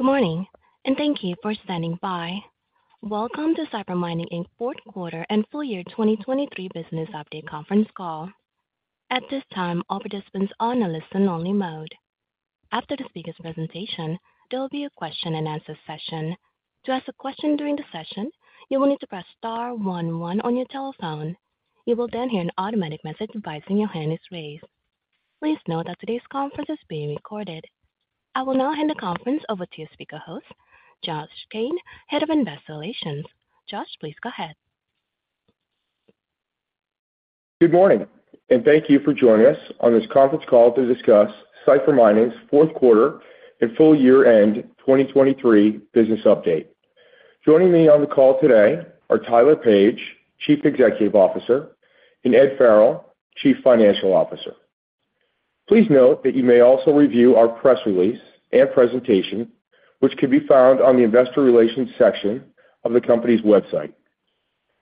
Good morning, and thank you for standing by. Welcome to Cipher Mining Inc.'s fourth quarter and full year 2023 business update conference call. At this time, all participants are on a listen-only mode. After the speaker's presentation, there will be a question-and-answer session. To ask a question during the session, you will need to press star one one on your telephone. You will then hear an automatic message advising your hand is raised. Please note that today's conference is being recorded. I will now hand the conference over to your speaker host, Josh Kane, Head of Investor Relations. Josh, please go ahead. Good morning, and thank you for joining us on this conference call to discuss Cipher Mining's fourth quarter and full year-end 2023 business update. Joining me on the call today are Tyler Page, Chief Executive Officer, and Ed Farrell, Chief Financial Officer. Please note that you may also review our press release and presentation, which can be found on the investor relations section of the company's website.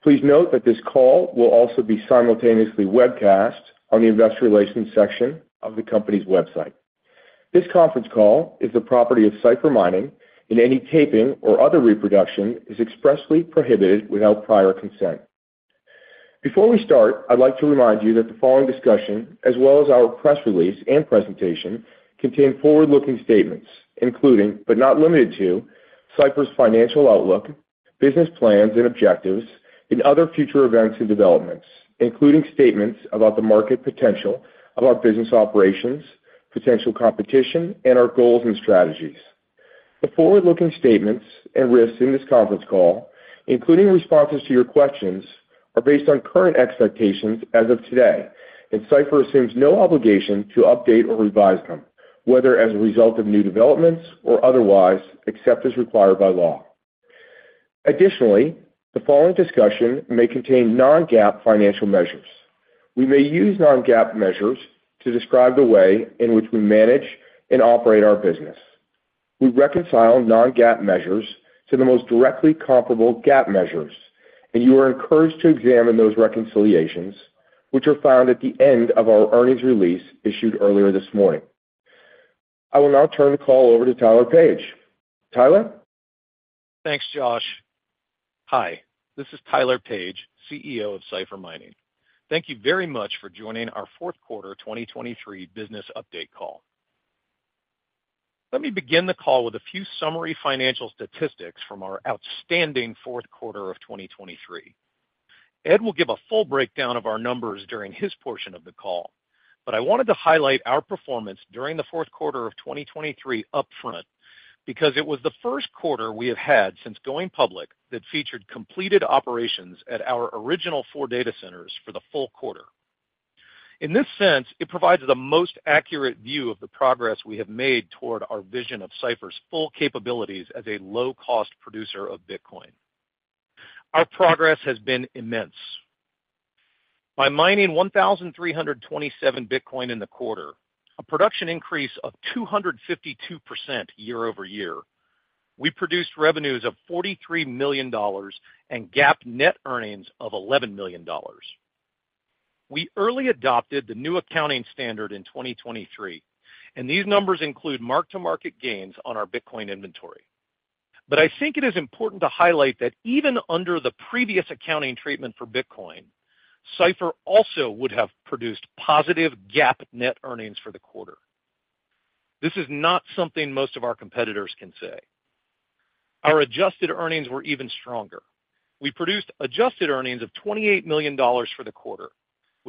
Please note that this call will also be simultaneously webcast on the investor relations section of the company's website. This conference call is the property of Cipher Mining, and any taping or other reproduction is expressly prohibited without prior consent. Before we start, I'd like to remind you that the following discussion, as well as our press release and presentation, contain forward-looking statements, including, but not limited to, Cipher's financial outlook, business plans and objectives, and other future events and developments, including statements about the market potential of our business operations, potential competition, and our goals and strategies. The forward-looking statements and risks in this conference call, including responses to your questions, are based on current expectations as of today, and Cipher assumes no obligation to update or revise them, whether as a result of new developments or otherwise, except as required by law. Additionally, the following discussion may contain non-GAAP financial measures. We may use non-GAAP measures to describe the way in which we manage and operate our business. We reconcile non-GAAP measures to the most directly comparable GAAP measures, and you are encouraged to examine those reconciliations, which are found at the end of our earnings release issued earlier this morning. I will now turn the call over to Tyler Page. Tyler? Thanks, Josh. Hi, this is Tyler Page, CEO of Cipher Mining. Thank you very much for joining our fourth quarter 2023 business update call. Let me begin the call with a few summary financial statistics from our outstanding fourth quarter of 2023. Ed will give a full breakdown of our numbers during his portion of the call, but I wanted to highlight our performance during the fourth quarter of 2023 upfront, because it was the first quarter we have had since going public that featured completed operations at our original 4 data centers for the full quarter. In this sense, it provides the most accurate view of the progress we have made toward our vision of Cipher's full capabilities as a low-cost producer of Bitcoin. Our progress has been immense. By mining 1,327 Bitcoin in the quarter, a production increase of 252% year-over-year, we produced revenues of $43 million and GAAP net earnings of $11 million. We early adopted the new accounting standard in 2023, and these numbers include mark-to-market gains on our Bitcoin inventory. But I think it is important to highlight that even under the previous accounting treatment for Bitcoin, Cipher also would have produced positive GAAP net earnings for the quarter. This is not something most of our competitors can say. Our adjusted earnings were even stronger. We produced adjusted earnings of $28 million for the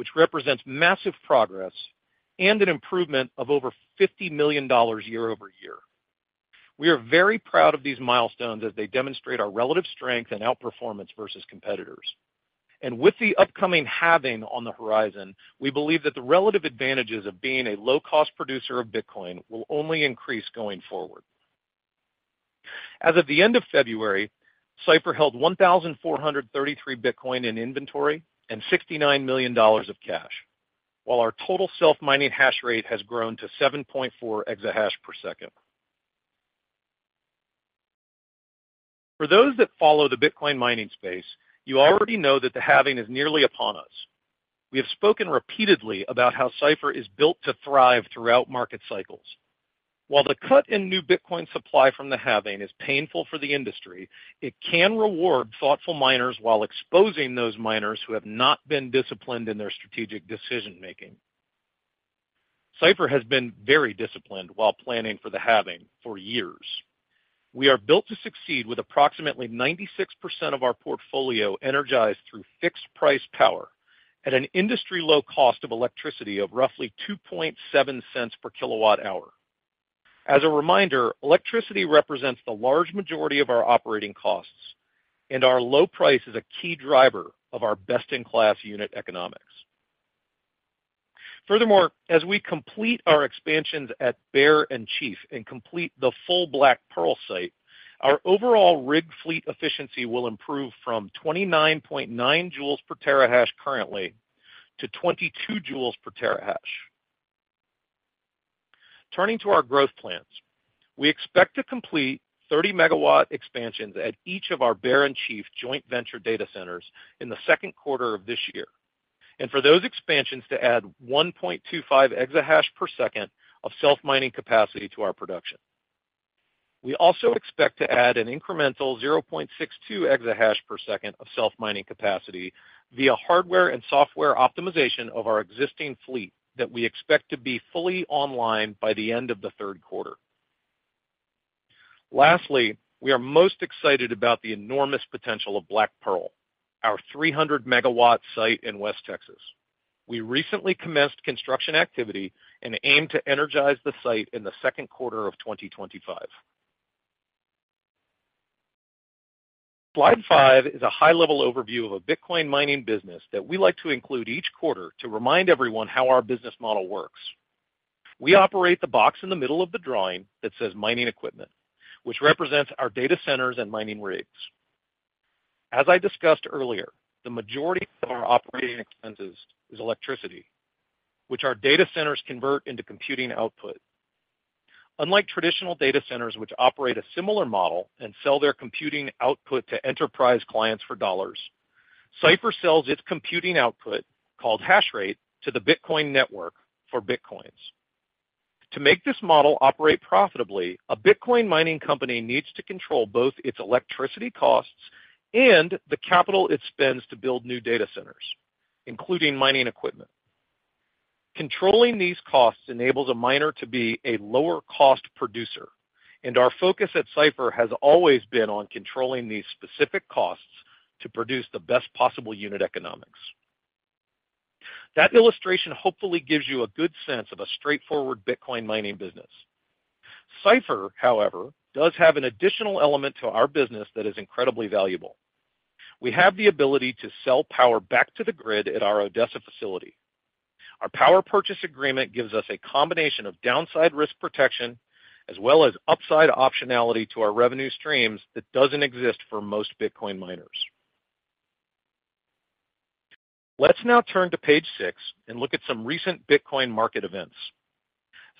quarter, which represents massive progress and an improvement of over $50 million year-over-year. We are very proud of these milestones as they demonstrate our relative strength and outperformance versus competitors. With the upcoming halving on the horizon, we believe that the relative advantages of being a low-cost producer of Bitcoin will only increase going forward. As of the end of February, Cipher held 1,433 Bitcoin in inventory and $69 million of cash, while our total self-mining hash rate has grown to 7.4 exahash per second. For those that follow the Bitcoin mining space, you already know that the halving is nearly upon us. We have spoken repeatedly about how Cipher is built to thrive throughout market cycles. While the cut in new Bitcoin supply from the halving is painful for the industry, it can reward thoughtful miners while exposing those miners who have not been disciplined in their strategic decision-making. Cipher has been very disciplined while planning for the H=halving for years. We are built to succeed with approximately 96% of our portfolio energized through fixed-price power at an industry-low cost of electricity of roughly $0.027 per kWh. As a reminder, electricity represents the large majority of our operating costs, and our low price is a key driver of our best-in-class unit economics. Furthermore, as we complete our expansions at Bear and Chief and complete the full Black Pearl site, our overall rig fleet efficiency will improve from 29.9 J/TH currently to 22 J/TH. Turning to our growth plans, we expect to complete 30-megawatt expansions at each of our Bear and Chief joint venture data centers in the second quarter of this year, and for those expansions to add 1.25 EH/s of self-mining capacity to our production. We also expect to add an incremental 0.62 exahash per second of self-mining capacity via hardware and software optimization of our existing fleet that we expect to be fully online by the end of the third quarter. Lastly, we are most excited about the enormous potential of Black Pearl, our 300 MW site in West Texas. We recently commenced construction activity and aim to energize the site in the second quarter of 2025. Slide five is a high-level overview of a Bitcoin mining business that we like to include each quarter to remind everyone how our business model works. We operate the box in the middle of the drawing that says mining equipment, which represents our data centers and mining rigs. As I discussed earlier, the majority of our operating expenses is electricity, which our data centers convert into computing output. Unlike traditional data centers, which operate a similar model and sell their computing output to enterprise clients for dollars, Cipher sells its computing output, called hash rate, to the Bitcoin network for Bitcoins. To make this model operate profitably, a Bitcoin mining company needs to control both its electricity costs and the capital it spends to build new data centers, including mining equipment. Controlling these costs enables a miner to be a lower-cost producer, and our focus at Cipher has always been on controlling these specific costs to produce the best possible unit economics. That illustration hopefully gives you a good sense of a straightforward Bitcoin mining business. Cipher, however, does have an additional element to our business that is incredibly valuable. We have the ability to sell power back to the grid at our Odessa facility. Our power purchase agreement gives us a combination of downside risk protection, as well as upside optionality to our revenue streams that doesn't exist for most Bitcoin miners. Let's now turn to page six and look at some recent Bitcoin market events.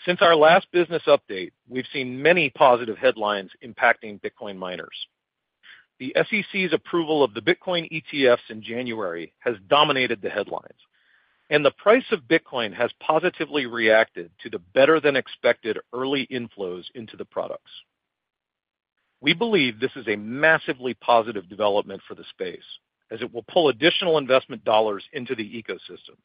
Since our last business update, we've seen many positive headlines impacting Bitcoin miners. The SEC's approval of the Bitcoin ETFs in January has dominated the headlines, and the price of Bitcoin has positively reacted to the better-than-expected early inflows into the products. We believe this is a massively positive development for the space, as it will pull additional investment dollars into the ecosystem.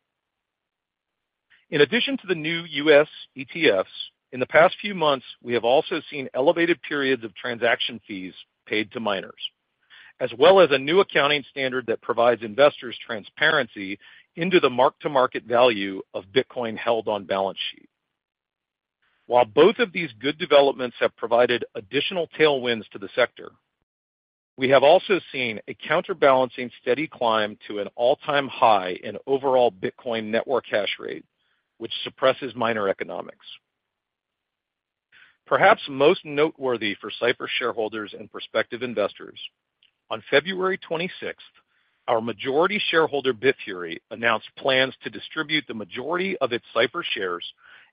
In addition to the new U.S. ETFs, in the past few months, we have also seen elevated periods of transaction fees paid to miners, as well as a new accounting standard that provides investors transparency into the mark-to-market value of Bitcoin held on balance sheet. While both of these good developments have provided additional tailwinds to the sector, we have also seen a counterbalancing steady climb to an all-time high in overall Bitcoin network hash rate, which suppresses miner economics. Perhaps most noteworthy for Cipher shareholders and prospective investors, on February 26th, our majority shareholder, Bitfury, announced plans to distribute the majority of its Cipher shares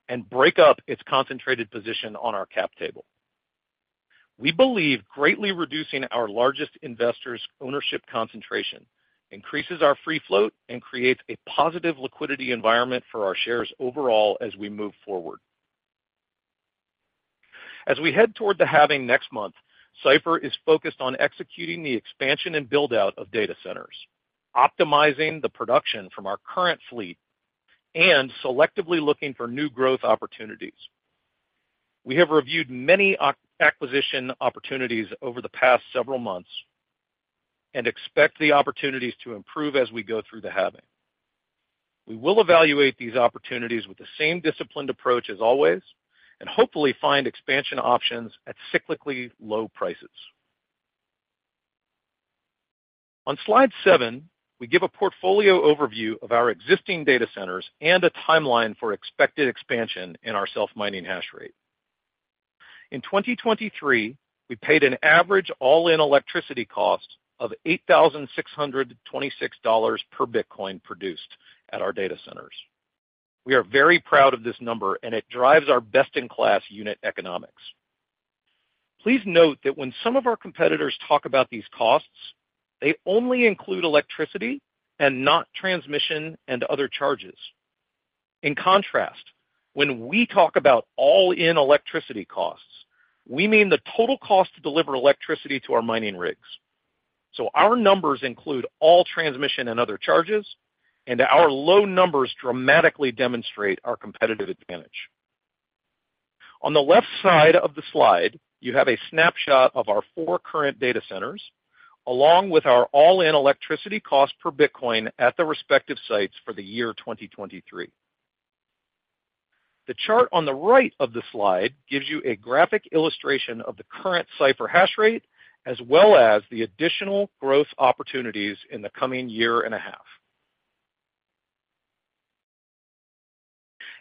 and break up its concentrated position on our cap table. We believe greatly reducing our largest investors' ownership concentration increases our free float and creates a positive liquidity environment for our shares overall as we move forward. As we head toward the halving next month, Cipher is focused on executing the expansion and build-out of data centers, optimizing the production from our current fleet, and selectively looking for new growth opportunities. We have reviewed many acquisition opportunities over the past several months and expect the opportunities to improve as we go through the halving. We will evaluate these opportunities with the same disciplined approach as always and hopefully find expansion options at cyclically low prices. On slide seven, we give a portfolio overview of our existing data centers and a timeline for expected expansion in our self-mining hash rate. In 2023, we paid an average all-in electricity cost of $8,626 per Bitcoin produced at our data centers. We are very proud of this number, and it drives our best-in-class unit economics. Please note that when some of our competitors talk about these costs, they only include electricity and not transmission and other charges. In contrast, when we talk about all-in electricity costs, we mean the total cost to deliver electricity to our mining rigs. So our numbers include all transmission and other charges, and our low numbers dramatically demonstrate our competitive advantage. On the left side of the slide, you have a snapshot of our four current data centers, along with our all-in electricity cost per Bitcoin at the respective sites for the year 2023. The chart on the right of the slide gives you a graphic illustration of the current Cipher hash rate, as well as the additional growth opportunities in the coming year and a half.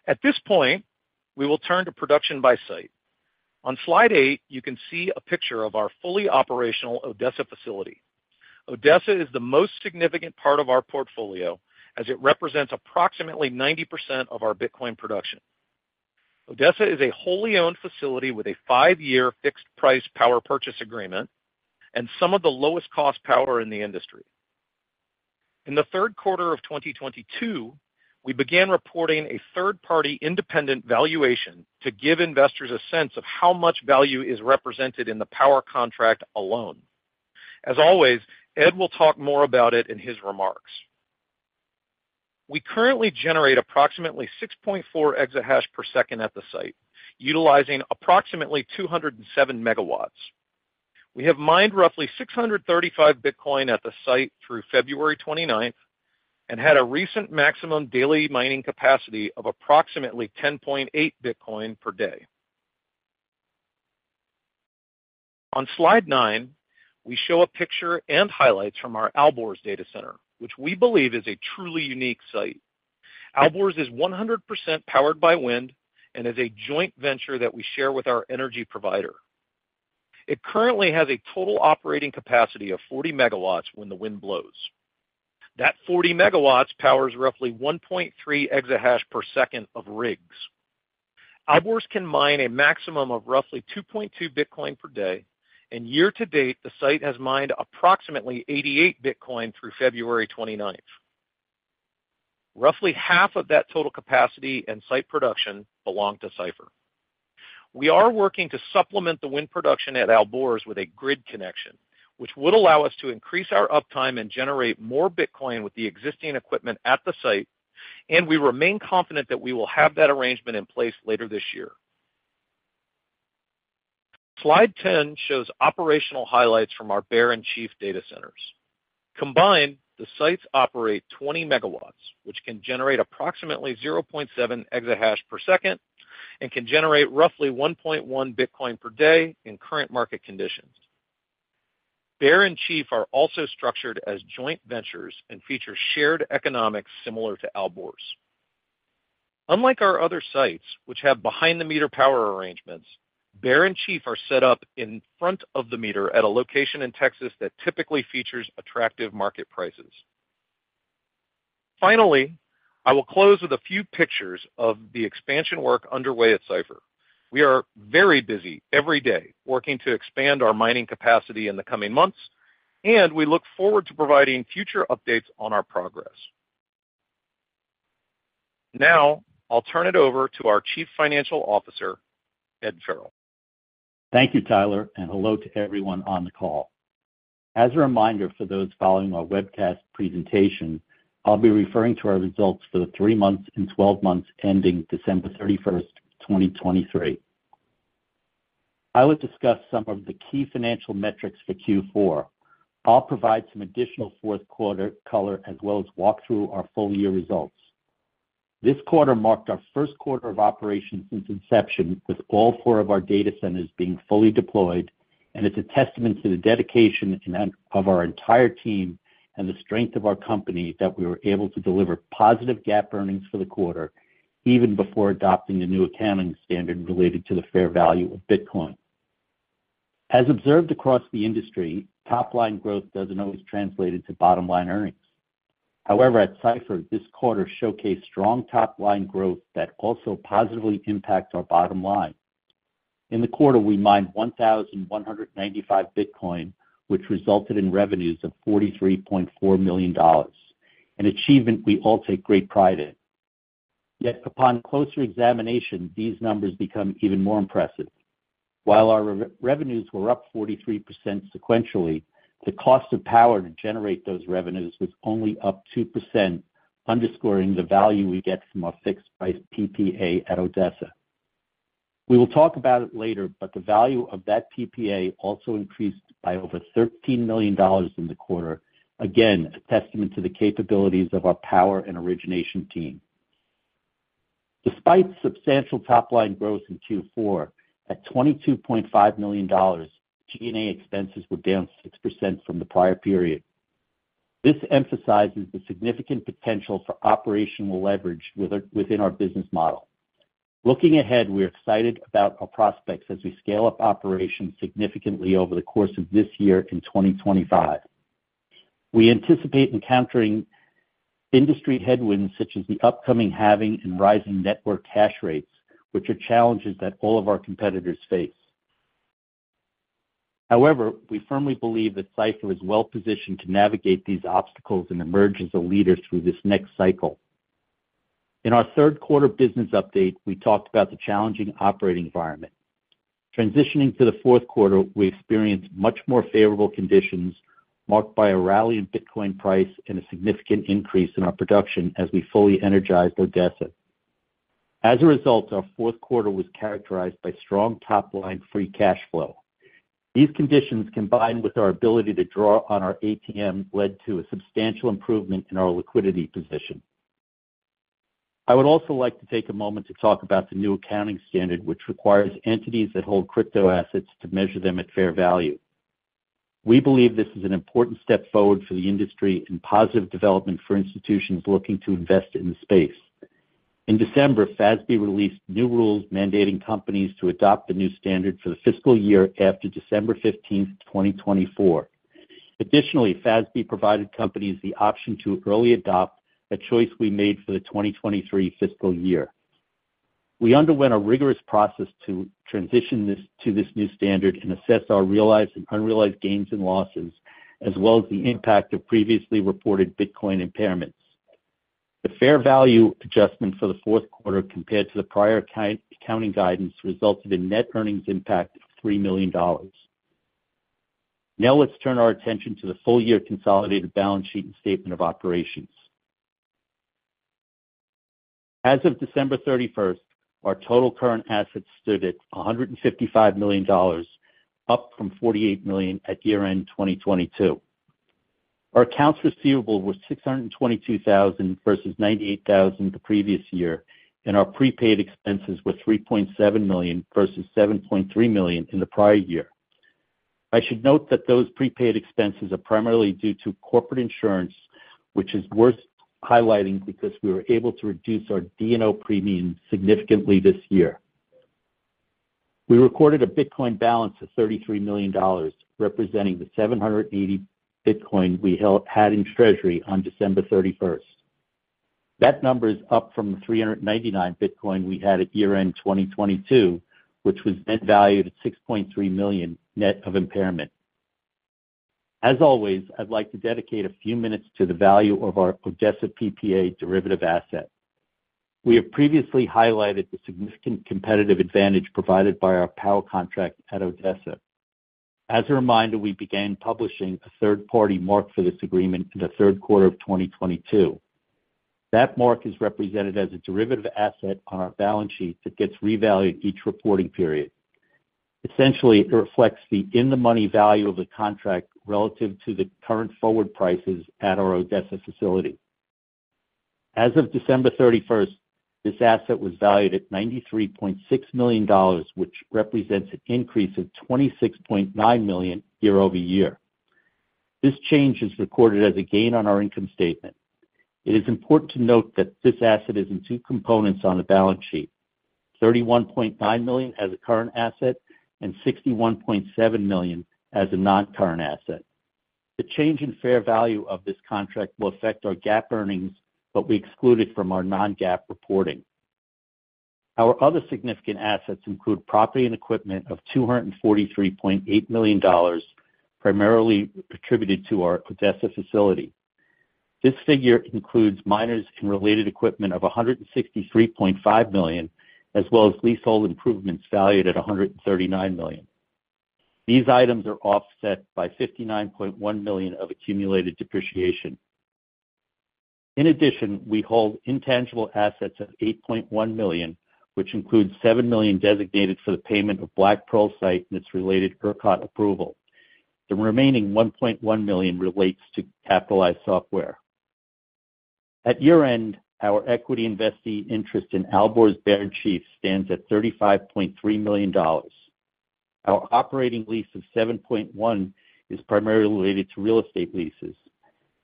At this point, we will turn to production by site. On slide eight, you can see a picture of our fully operational Odessa facility. Odessa is the most significant part of our portfolio, as it represents approximately 90% of our Bitcoin production. Odessa is a wholly owned facility with a five-year fixed-price power purchase agreement and some of the lowest-cost power in the industry. In the third quarter of 2022, we began reporting a third-party independent valuation to give investors a sense of how much value is represented in the power contract alone. As always, Ed will talk more about it in his remarks. We currently generate approximately 6.4 exahash per second at the site, utilizing approximately 207 MW. We have mined roughly 635 Bitcoin at the site through February 29th and had a recent maximum daily mining capacity of approximately 10.8 Bitcoin per day. On slide nine, we show a picture and highlights from our Alborz data center, which we believe is a truly unique site. Alborz is 100% powered by wind and is a joint venture that we share with our energy provider. It currently has a total operating capacity of 40 MW when the wind blows. That 40 MW powers roughly 1.3 exahash per second of rigs. Alborz can mine a maximum of roughly 2.2 Bitcoin per day, and year to date, the site has mined approximately 88 Bitcoin through February twenty-ninth. Roughly half of that total capacity and site production belong to Cipher. We are working to supplement the wind production at Alborz with a grid connection, which would allow us to increase our uptime and generate more Bitcoin with the existing equipment at the site, and we remain confident that we will have that arrangement in place later this year. Slide 10 shows operational highlights from our Bear and Chief data centers. Combined, the sites operate 20 MW, which can generate approximately 0.7 exahash per second and can generate roughly 1.1 Bitcoin per day in current market conditions. Bear and Chief are also structured as joint ventures and feature shared economics similar to Alborz. Unlike our other sites, which have behind-the-meter power arrangements, Bear and Chief are set up in front-of-the-meter at a location in Texas that typically features attractive market prices. Finally, I will close with a few pictures of the expansion work underway at Cipher. We are very busy every day working to expand our mining capacity in the coming months, and we look forward to providing future updates on our progress. Now, I'll turn it over to our Chief Financial Officer, Ed Farrell. Thank you, Tyler, and hello to everyone on the call. As a reminder for those following our webcast presentation, I'll be referring to our results for the three months and twelve months ending December 31st, 2023. I will discuss some of the key financial metrics for Q4. I'll provide some additional fourth quarter color, as well as walk through our full-year results. This quarter marked our first quarter of operation since inception, with all four of our data centers being fully deployed, and it's a testament to the dedication of our entire team and the strength of our company that we were able to deliver positive GAAP earnings for the quarter, even before adopting the new accounting standard related to the fair value of Bitcoin. As observed across the industry, top-line growth doesn't always translate into bottom-line earnings. However, at Cipher, this quarter showcased strong top-line growth that also positively impacts our bottom line. In the quarter, we mined 1,195 Bitcoin, which resulted in revenues of $43.4 million, an achievement we all take great pride in. Yet upon closer examination, these numbers become even more impressive. While our revenues were up 43% sequentially, the cost of power to generate those revenues was only up 2%, underscoring the value we get from our fixed-price PPA at Odessa. We will talk about it later, but the value of that PPA also increased by over $13 million in the quarter. Again, a testament to the capabilities of our power and origination team. Despite substantial top-line growth in Q4, at $22.5 million, G&A expenses were down 6% from the prior period. This emphasizes the significant potential for operational leverage within our business model. Looking ahead, we're excited about our prospects as we scale up operations significantly over the course of this year in 2025. We anticipate encountering industry headwinds, such as the upcoming halving and rising network hash rates, which are challenges that all of our competitors face. However, we firmly believe that Cipher is well-positioned to navigate these obstacles and emerge as a leader through this next cycle. In our third quarter business update, we talked about the challenging operating environment. Transitioning to the fourth quarter, we experienced much more favorable conditions, marked by a rally in Bitcoin price and a significant increase in our production as we fully energized Odessa. As a result, our fourth quarter was characterized by strong top-line free cash flow. These conditions, combined with our ability to draw on our ATM, led to a substantial improvement in our liquidity position. I would also like to take a moment to talk about the new accounting standard, which requires entities that hold crypto assets to measure them at fair value. We believe this is an important step forward for the industry and positive development for institutions looking to invest in the space. In December, FASB released new rules mandating companies to adopt the new standard for the fiscal year after December 15th, 2024. Additionally, FASB provided companies the option to early adopt a choice we made for the 2023 fiscal year. We underwent a rigorous process to transition this, to this new standard and assess our realized and unrealized gains and losses, as well as the impact of previously reported Bitcoin impairments. The fair value adjustment for the fourth quarter, compared to the prior accounting guidance, resulted in net earnings impact of $3 million. Now let's turn our attention to the full year consolidated balance sheet and statement of operations. As of December 31st, our total current assets stood at $155 million, up from $48 million at year-end 2022. Our accounts receivable were $622,000 versus $98,000 the previous year, and our prepaid expenses were $3.7 million versus $7.3 million in the prior year. I should note that those prepaid expenses are primarily due to corporate insurance, which is worth highlighting because we were able to reduce our D&O premium significantly this year. We recorded a Bitcoin balance of $33 million, representing the 780 Bitcoin we held in treasury on December 31st. That number is up from the 399 Bitcoin we had at year-end 2022, which was then valued at $6.3 million, net of impairment. As always, I'd like to dedicate a few minutes to the value of our Odessa PPA derivative asset. We have previously highlighted the significant competitive advantage provided by our power contract at Odessa. As a reminder, we began publishing a third-party mark for this agreement in the third quarter of 2022. That mark is represented as a derivative asset on our balance sheet that gets revalued each reporting period. Essentially, it reflects the in-the-money value of the contract relative to the current forward prices at our Odessa facility. As of December 31, this asset was valued at $93.6 million, which represents an increase of $26.9 million year-over-year. This change is recorded as a gain on our income statement. It is important to note that this asset is in two components on the balance sheet: $31.9 million as a current asset and $61.7 million as a non-current asset. The change in fair value of this contract will affect our GAAP earnings, but we exclude it from our non-GAAP reporting. Our other significant assets include property and equipment of $243.8 million, primarily attributed to our Odessa facility. This figure includes miners and related equipment of $163.5 million, as well as leasehold improvements valued at $139 million. These items are offset by $59.1 million of accumulated depreciation. In addition, we hold intangible assets of $8.1 million, which includes $7 million designated for the payment of Black Pearl site and its related ERCOT approval. The remaining $1.1 million relates to capitalized software. At year-end, our equity investee interest in Alborz, Bear, and Chief stands at $35.3 million. Our operating lease of $7.1 million is primarily related to real estate leases.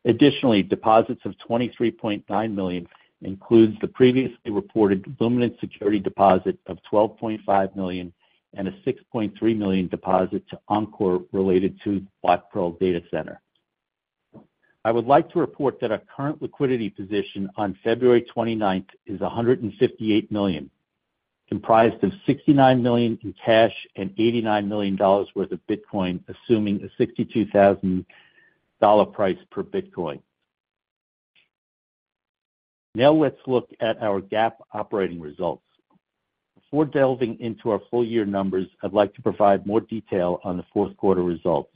Additionally, deposits of $23.9 million includes the previously reported Luminant security deposit of $12.5 million and a $6.3 million deposit to Oncor related to Black Pearl Data Center. I would like to report that our current liquidity position on February 29th is $158 million, comprised of $69 million in cash and $89 million worth of Bitcoin, assuming a $62,000 price per Bitcoin. Now let's look at our GAAP operating results. Before delving into our full-year numbers, I'd like to provide more detail on the fourth quarter results,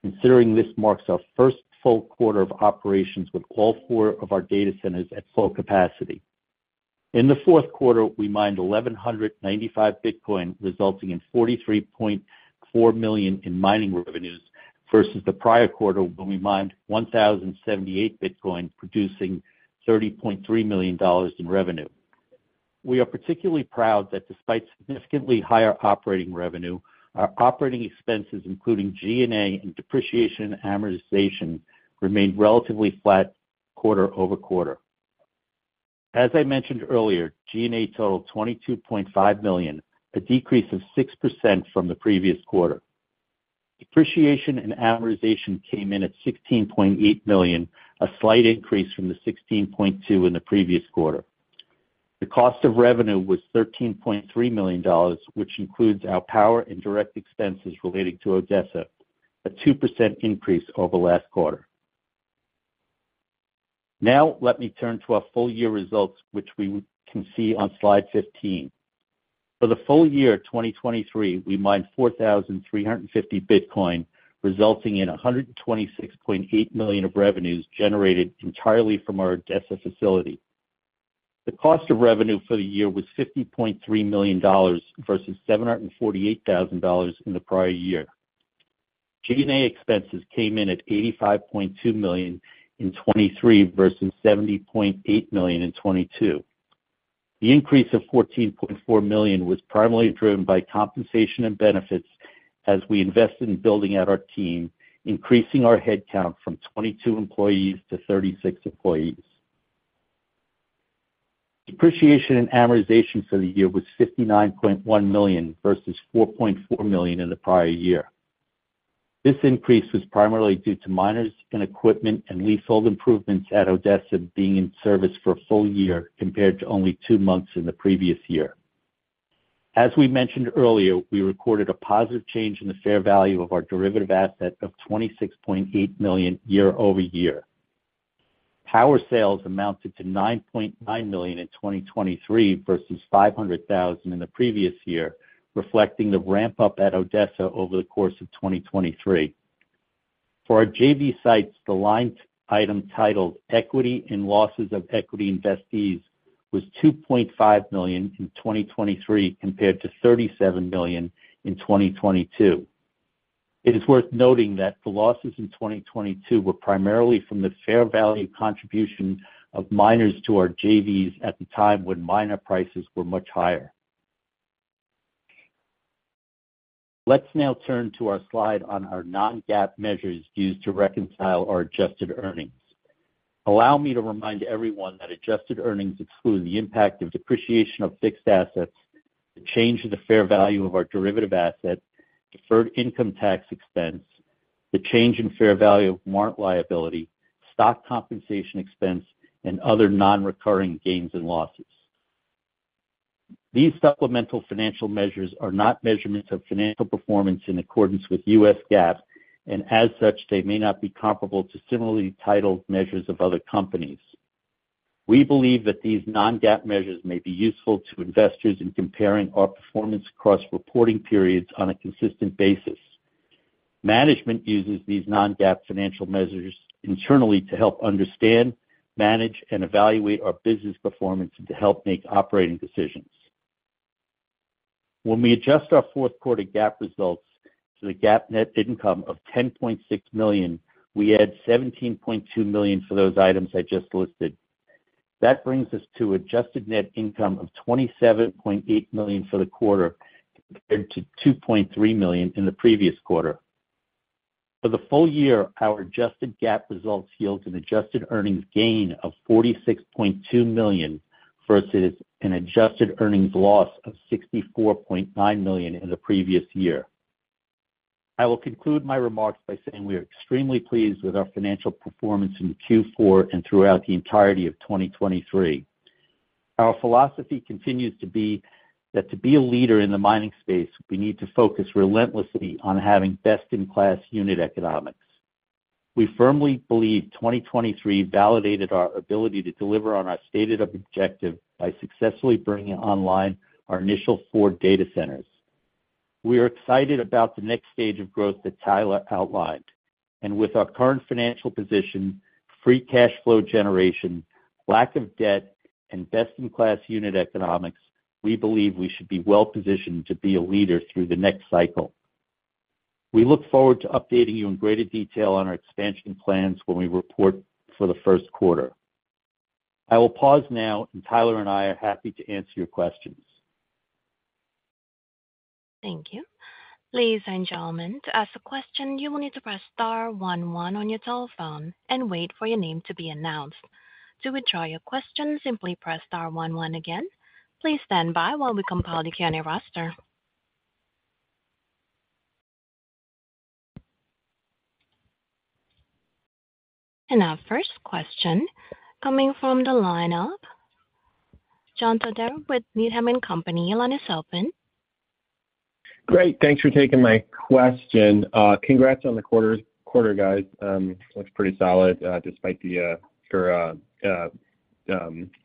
considering this marks our first full quarter of operations with all four of our data centers at full capacity. In the fourth quarter, we mined 1,195 Bitcoin, resulting in $43.4 million in mining revenues, versus the prior quarter, when we mined 1,078 Bitcoin, producing $30.3 million in revenue. We are particularly proud that despite significantly higher operating revenue, our operating expenses, including G&A and depreciation and amortization, remained relatively flat quarter-over-quarter. As I mentioned earlier, G&A totaled $22.5 million, a decrease of 6% from the previous quarter. Depreciation and amortization came in at $16.8 million, a slight increase from the $16.2 in the previous quarter. The cost of revenue was $13.3 million, which includes our power and direct expenses relating to Odessa, a 2% increase over last quarter. Now let me turn to our full year results, which we can see on slide 15. For the full year 2023, we mined 4,350 Bitcoin, resulting in $126.8 million of revenues generated entirely from our Odessa facility. The cost of revenue for the year was $50.3 million versus $748,000 in the prior year. G&A expenses came in at $85.2 million in 2023 versus $70.8 million in 2022. The increase of $14.4 million was primarily driven by compensation and benefits as we invested in building out our team, increasing our headcount from 22 employees to 36 employees. Depreciation and amortization for the year was $59.1 million versus $4.4 million in the prior year. This increase was primarily due to miners and equipment and leasehold improvements at Odessa being in service for a full year compared to only two months in the previous year. As we mentioned earlier, we recorded a positive change in the fair value of our derivative asset of $26.8 million year-over-year. Power sales amounted to $9.9 million in 2023 versus $500,000 in the previous year, reflecting the ramp up at Odessa over the course of 2023. For our JV sites, the line item titled Equity and Losses of Equity Investees was $2.5 million in 2023 compared to $37 million in 2022. It is worth noting that the losses in 2022 were primarily from the fair value contribution of miners to our JVs at the time when miner prices were much higher. Let's now turn to our slide on our non-GAAP measures used to reconcile our adjusted earnings. Allow me to remind everyone that adjusted earnings exclude the impact of depreciation of fixed assets, the change in the fair value of our derivative asset, deferred income tax expense, the change in fair value of warrant liability, stock compensation expense, and other non-recurring gains and losses. These supplemental financial measures are not measurements of financial performance in accordance with U.S. GAAP, and as such, they may not be comparable to similarly titled measures of other companies. We believe that these non-GAAP measures may be useful to investors in comparing our performance across reporting periods on a consistent basis. Management uses these non-GAAP financial measures internally to help understand, manage, and evaluate our business performance and to help make operating decisions. When we adjust our fourth quarter GAAP results to the GAAP net income of $10.6 million, we add $17.2 million for those items I just listed. That brings us to adjusted net income of $27.8 million for the quarter, compared to $2.3 million in the previous quarter. For the full year, our adjusted GAAP results yield an adjusted earnings gain of $46.2 million, versus an adjusted earnings loss of $64.9 million in the previous year. I will conclude my remarks by saying we are extremely pleased with our financial performance in Q4 and throughout the entirety of 2023. Our philosophy continues to be, that to be a leader in the mining space, we need to focus relentlessly on having best-in-class unit economics. We firmly believe 2023 validated our ability to deliver on our stated objective by successfully bringing online our initial four data centers. We are excited about the next stage of growth that Tyler outlined, and with our current financial position, free cash flow generation, lack of debt, and best-in-class unit economics, we believe we should be well positioned to be a leader through the next cycle. We look forward to updating you in greater detail on our expansion plans when we report for the first quarter. I will pause now, and Tyler and I are happy to answer your questions. Thank you. Ladies and gentlemen, to ask a question, you will need to press star one one on your telephone and wait for your name to be announced. To withdraw your question, simply press star one one again. Please stand by while we compile the Q&A roster. Our first question coming from the lineup, John Todaro with Needham & Company. Your line is open. Great, thanks for taking my question. Congrats on the quarter, guys. Looks pretty solid, despite,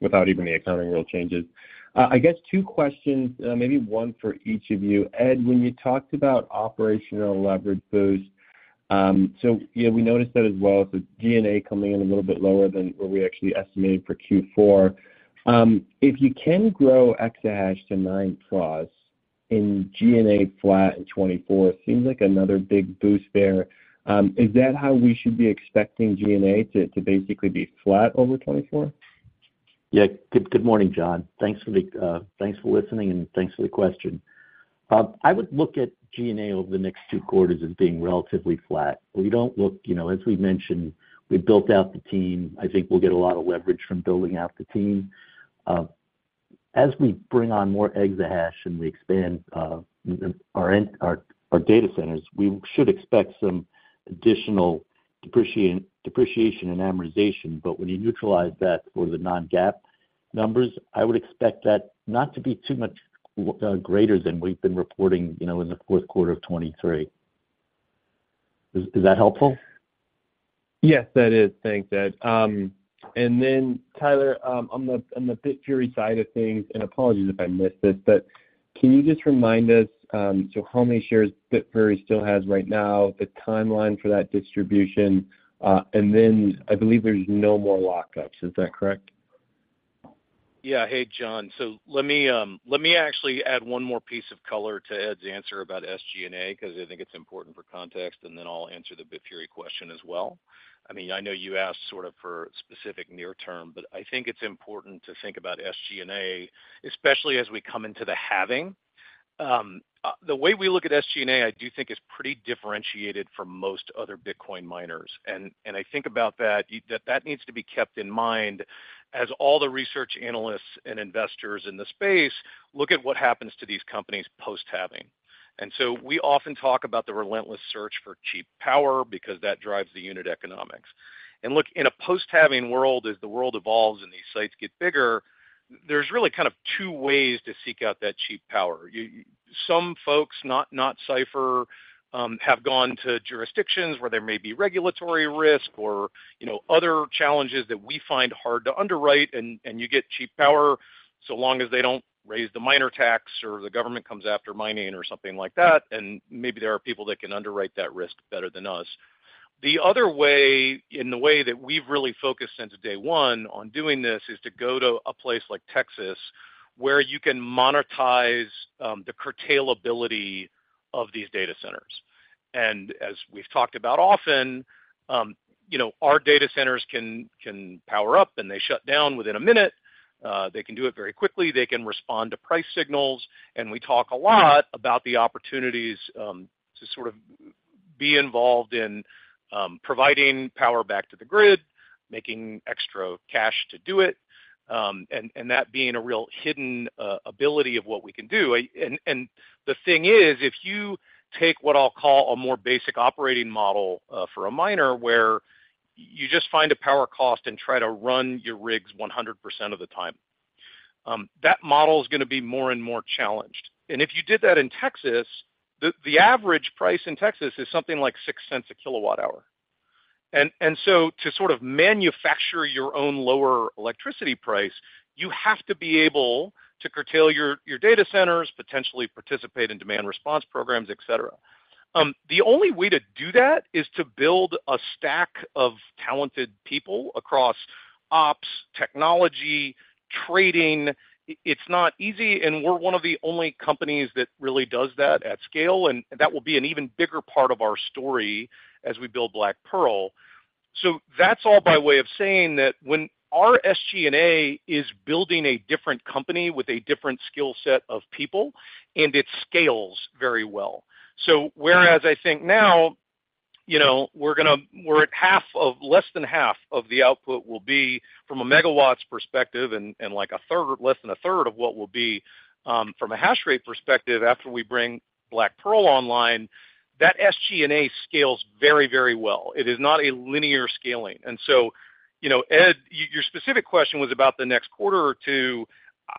without even the accounting rule changes. I guess two questions, maybe one for each of you. Ed, when you talked about operational leverage boost, so yeah, we noticed that as well, with G&A coming in a little bit lower than where we actually estimated for Q4. If you can grow exahash to 9+ in G&A flat in 2024, it seems like another big boost there. Is that how we should be expecting G&A to basically be flat over 2024? Yeah. Good morning, John. Thanks for the thanks for listening, and thanks for the question. I would look at G&A over the next two quarters as being relatively flat. We don't look... You know, as we mentioned, we built out the team. I think we'll get a lot of leverage from building out the team. As we bring on more exahash and we expand our data centers, we should expect some additional depreciation and amortization. But when you neutralize that for the non-GAAP numbers, I would expect that not to be too much greater than we've been reporting, you know, in the fourth quarter of 2023. Is that helpful? Yes, that is. Thanks, Ed. And then Tyler, on the Bitfury side of things, and apologies if I missed this, but can you just remind us, so how many shares Bitfury still has right now, the timeline for that distribution? And then I believe there's no more lockups. Is that correct? Yeah. Hey, John. So let me actually add one more piece of color to Ed's answer about SG&A, because I think it's important for context, and then I'll answer the Bitfury question as well. I mean, I know you asked sort of for specific near term, but I think it's important to think about SG&A, especially as we come into the halving. The way we look at SG&A, I do think is pretty differentiated from most other Bitcoin miners. And I think about that, that needs to be kept in mind as all the research analysts and investors in the space look at what happens to these companies post-halving. And so we often talk about the relentless search for cheap power because that drives the unit economics. Look, in a post-halving world, as the world evolves and these sites get bigger, there's really kind of two ways to seek out that cheap power. Some folks, not Cipher, have gone to jurisdictions where there may be regulatory risk or, you know, other challenges that we find hard to underwrite, and you get cheap power, so long as they don't raise the miner tax or the government comes after mining or something like that, and maybe there are people that can underwrite that risk better than us. The other way, and the way that we've really focused since day one on doing this, is to go to a place like Texas, where you can monetize the curtailability of these data centers. As we've talked about often, you know, our data centers can power up, and they shut down within a minute. They can do it very quickly, they can respond to price signals, and we talk a lot about the opportunities to sort of be involved in providing power back to the grid, making extra cash to do it, and that being a real hidden ability of what we can do. And the thing is, if you take what I'll call a more basic operating model for a miner, where you just find a power cost and try to run your rigs 100% of the time, that model is gonna be more and more challenged. And if you did that in Texas, the average price in Texas is something like $0.06/kWh. So to sort of manufacture your own lower electricity price, you have to be able to curtail your data centers, potentially participate in demand response programs, et cetera. The only way to do that is to build a stack of talented people across ops, technology, trading. It's not easy, and we're one of the only companies that really does that at scale, and that will be an even bigger part of our story as we build Black Pearl. So that's all by way of saying that when our SG&A is building a different company with a different skill set of people, and it scales very well. So whereas I think now, you know, we're gonna, we're at half of... Less than half of the output will be from a megawatts perspective and like a third, less than a third of what will be from a hash rate perspective after we bring Black Pearl online, that SG&A scales very, very well. It is not a linear scaling. And so, you know, Ed, your specific question was about the next quarter or two.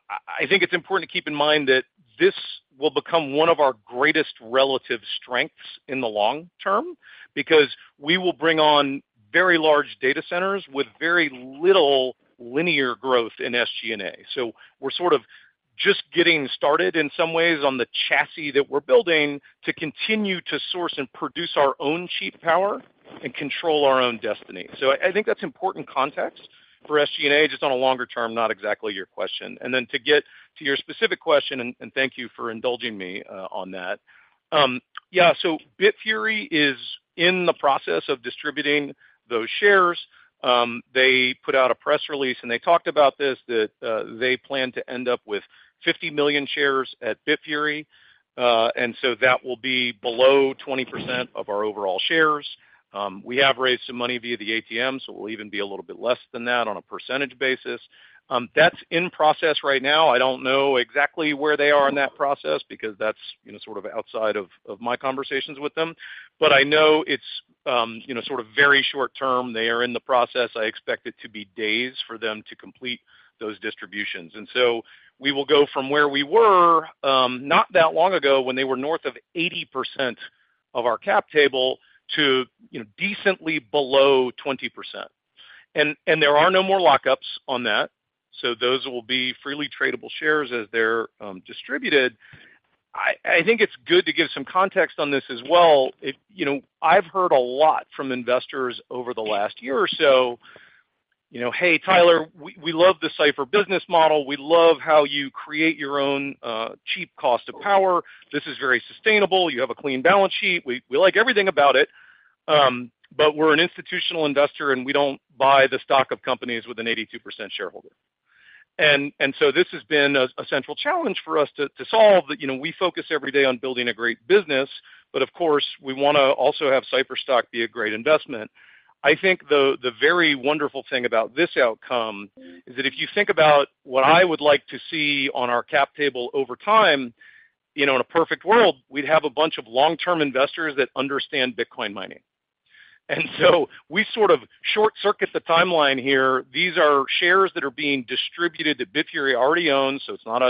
I think it's important to keep in mind that this will become one of our greatest relative strengths in the long term, because we will bring on very large data centers with very little linear growth in SG&A. So we're sort of just getting started in some ways on the chassis that we're building to continue to source and produce our own cheap power and control our own destiny. So I think that's important context for SG&A, just on a longer term, not exactly your question. And then to get to your specific question, and thank you for indulging me, on that. Yeah, so Bitfury is in the process of distributing those shares. They put out a press release, and they talked about this, that, they plan to end up with 50 million shares at Bitfury, and so that will be below 20% of our overall shares. We have raised some money via the ATM, so we'll even be a little bit less than that on a percentage basis. That's in process right now. I don't know exactly where they are in that process because that's, you know, sort of outside of my conversations with them. But I know it's, you know, sort of very short term. They are in the process. I expect it to be days for them to complete those distributions. And so we will go from where we were, not that long ago, when they were north of 80% of our cap table to, you know, decently below 20%. And there are no more lockups on that, so those will be freely tradable shares as they're distributed. I think it's good to give some context on this as well. It, you know, I've heard a lot from investors over the last year or so, you know, "Hey, Tyler, we love the Cipher business model. We love how you create your own cheap cost of power. This is very sustainable. You have a clean balance sheet. We like everything about it, but we're an institutional investor, and we don't buy the stock of companies with an 82% shareholder. And so this has been a central challenge for us to solve. That, you know, we focus every day on building a great business, but of course, we wanna also have Cipher stock be a great investment. I think the very wonderful thing about this outcome is that if you think about what I would like to see on our cap table over time, you know, in a perfect world, we'd have a bunch of long-term investors that understand Bitcoin mining. And so we sort of short-circuit the timeline here. These are shares that are being distributed that Bitfury already owns, so it's not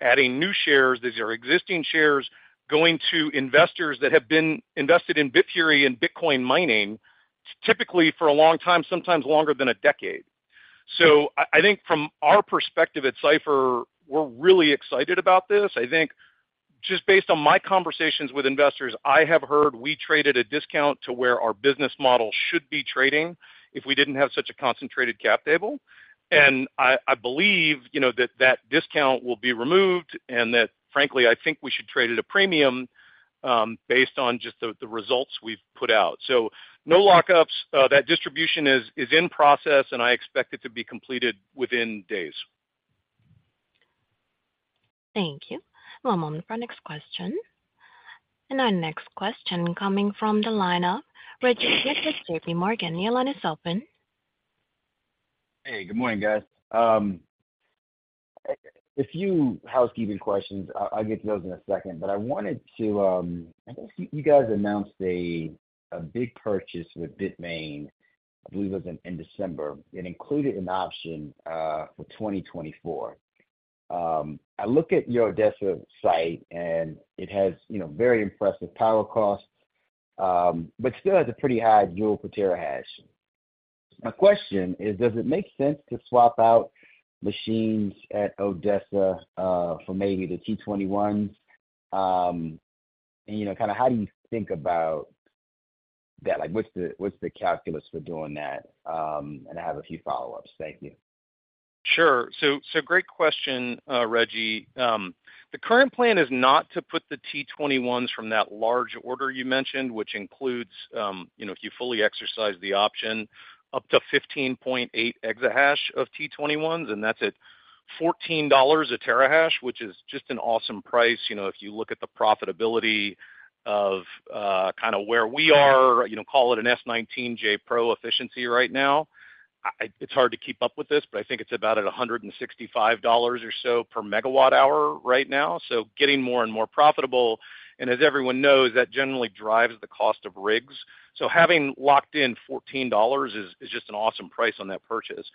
adding new shares. These are existing shares going to investors that have been invested in Bitfury and Bitcoin mining, typically for a long time, sometimes longer than a decade. So I think from our perspective at Cipher, we're really excited about this. I think just based on my conversations with investors, I have heard we traded a discount to where our business model should be trading if we didn't have such a concentrated cap table. And I believe, you know, that discount will be removed, and that frankly, I think we should trade at a premium based on just the results we've put out. So no lockups, that distribution is in process, and I expect it to be completed within days.... Thank you. One moment for our next question. Our next question coming from the lineup, Reggie Smith with J.P. Morgan, your line is open. Hey, good morning, guys. A few housekeeping questions. I'll get to those in a second, but I wanted to, I guess you guys announced a big purchase with Bitmain, I believe it was in December. It included an option for 2024. I look at your Odessa site, and it has, you know, very impressive power costs, but still has a pretty high Joules per Terahash. My question is, does it make sense to swap out machines at Odessa for maybe the T21s? And, you know, kind of how do you think about that? Like, what's the calculus for doing that? And I have a few follow-ups. Thank you. Sure. So, so great question, Reggie. The current plan is not to put the T21s from that large order you mentioned, which includes, you know, if you fully exercise the option, up to 15.8 exahash of T21s, and that's at $14 a terahash, which is just an awesome price. You know, if you look at the profitability of, kind of where we are, you know, call it an S19j Pro efficiency right now. It's hard to keep up with this, but I think it's about at $165 or so per megawatt hour right now, so getting more and more profitable, and as everyone knows, that generally drives the cost of rigs. So having locked in $14 is, is just an awesome price on that purchase.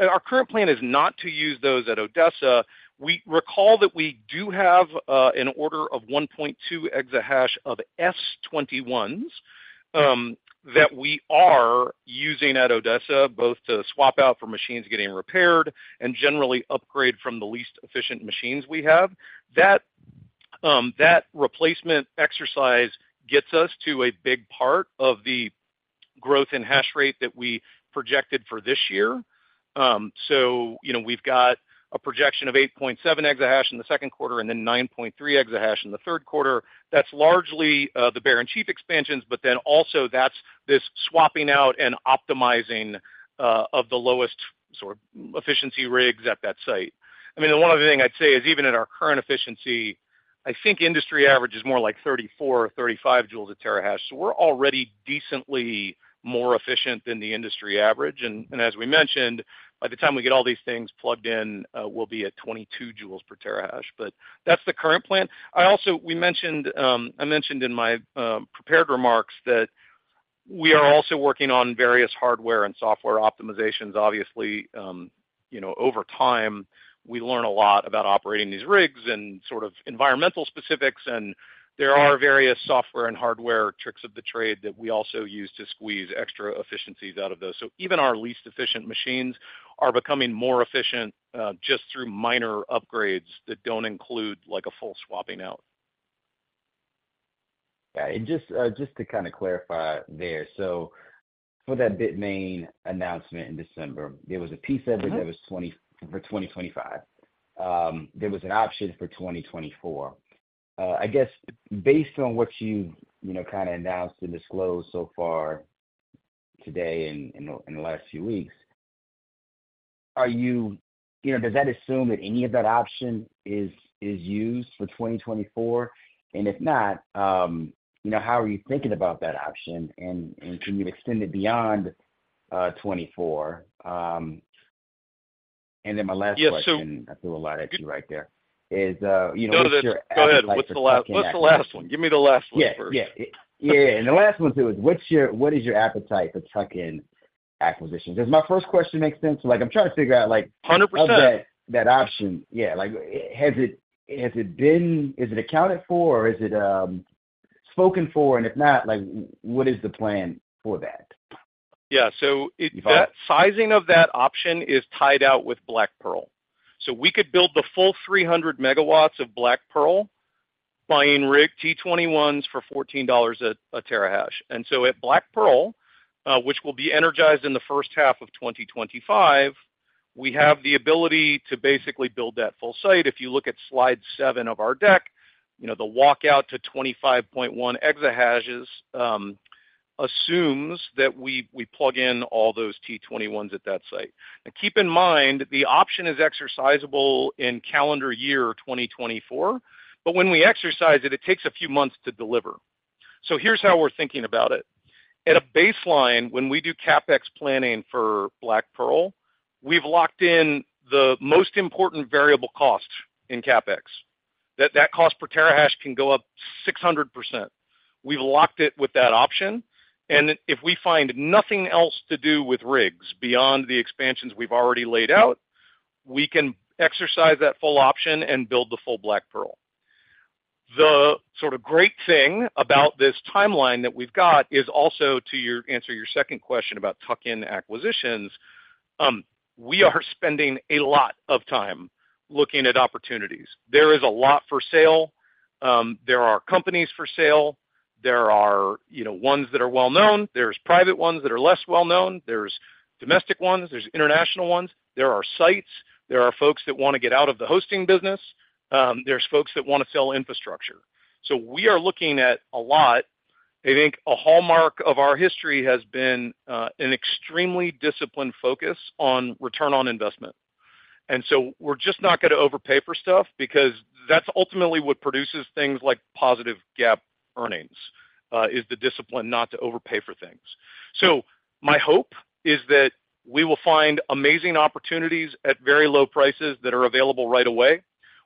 Our current plan is not to use those at Odessa. We recall that we do have an order of 1.2 exahash of S21s that we are using at Odessa, both to swap out for machines getting repaired and generally upgrade from the least efficient machines we have. That, that replacement exercise gets us to a big part of the growth in hash rate that we projected for this year. So, you know, we've got a projection of 8.7 exahash in the second quarter and then 9.3 exahash in the third quarter. That's largely the Bear and Chief expansions, but then also that's this swapping out and optimizing of the lowest sort of efficiency rigs at that site. I mean, the one other thing I'd say is, even at our current efficiency, I think industry average is more like 34 or 35 Joules per Terahash, so we're already decently more efficient than the industry average. And as we mentioned, by the time we get all these things plugged in, we'll be at 22 Joules per Terahash. But that's the current plan. I also, I mentioned in my prepared remarks that we are also working on various hardware and software optimizations. Obviously, you know, over time, we learn a lot about operating these rigs and sort of environmental specifics, and there are various software and hardware tricks of the trade that we also use to squeeze extra efficiencies out of those. So even our least efficient machines are becoming more efficient, just through minor upgrades that don't include, like, a full swapping out. Yeah, and just, just to kind of clarify there. So for that Bitmain announcement in December, there was a piece of it that was for 2025. There was an option for 2024. I guess based on what you, you know, kind of announced and disclosed so far today and in the last few weeks, does that assume that any of that option is used for 2024? And if not, you know, how are you thinking about that option, and can you extend it beyond 2024? And then my last question- Yeah, so- I threw a lot at you right there, you know- No, go ahead. What's the last, what's the last one? Give me the last one first. Yeah, yeah. Yeah, and the last one too, is what's your—what is your appetite for tuck-in acquisitions? Does my first question make sense? Like, I'm trying to figure out, like- Hundred percent. of that, that option. Yeah, like, has it, has it been accounted for, or is it spoken for? And if not, like, what is the plan for that? Yeah, so it- You follow?... that sizing of that option is tied out with Black Pearl. So we could build the full 300 MW of Black Pearl buying rigs T21s for $14 a terahash. And so at Black Pearl, which will be energized in the first half of 2025, we have the ability to basically build that full site. If you look at slide seven of our deck, you know, the walk out to 25.1 exahashes assumes that we plug in all those T21s at that site. And keep in mind, the option is exercisable in calendar year 2024, but when we exercise it, it takes a few months to deliver. So here's how we're thinking about it: At a baseline, when we do CapEx planning for Black Pearl, we've locked in the most important variable cost in CapEx. That cost per terahash can go up 600%. We've locked it with that option, and if we find nothing else to do with rigs beyond the expansions we've already laid out, we can exercise that full option and build the full Black Pearl. The sort of great thing about this timeline that we've got is also to answer your second question about tuck-in acquisitions. We are spending a lot of time looking at opportunities. There is a lot for sale. There are companies for sale. There are, you know, ones that are well known. There's private ones that are less well known. There's domestic ones, there's international ones. There are sites. There are folks that want to get out of the hosting business. There's folks that want to sell infrastructure. So we are looking at a lot. I think a hallmark of our history has been an extremely disciplined focus on return on investment. And so we're just not gonna overpay for stuff because that's ultimately what produces things like positive GAAP earnings is the discipline not to overpay for things. So my hope is that we will find amazing opportunities at very low prices that are available right away.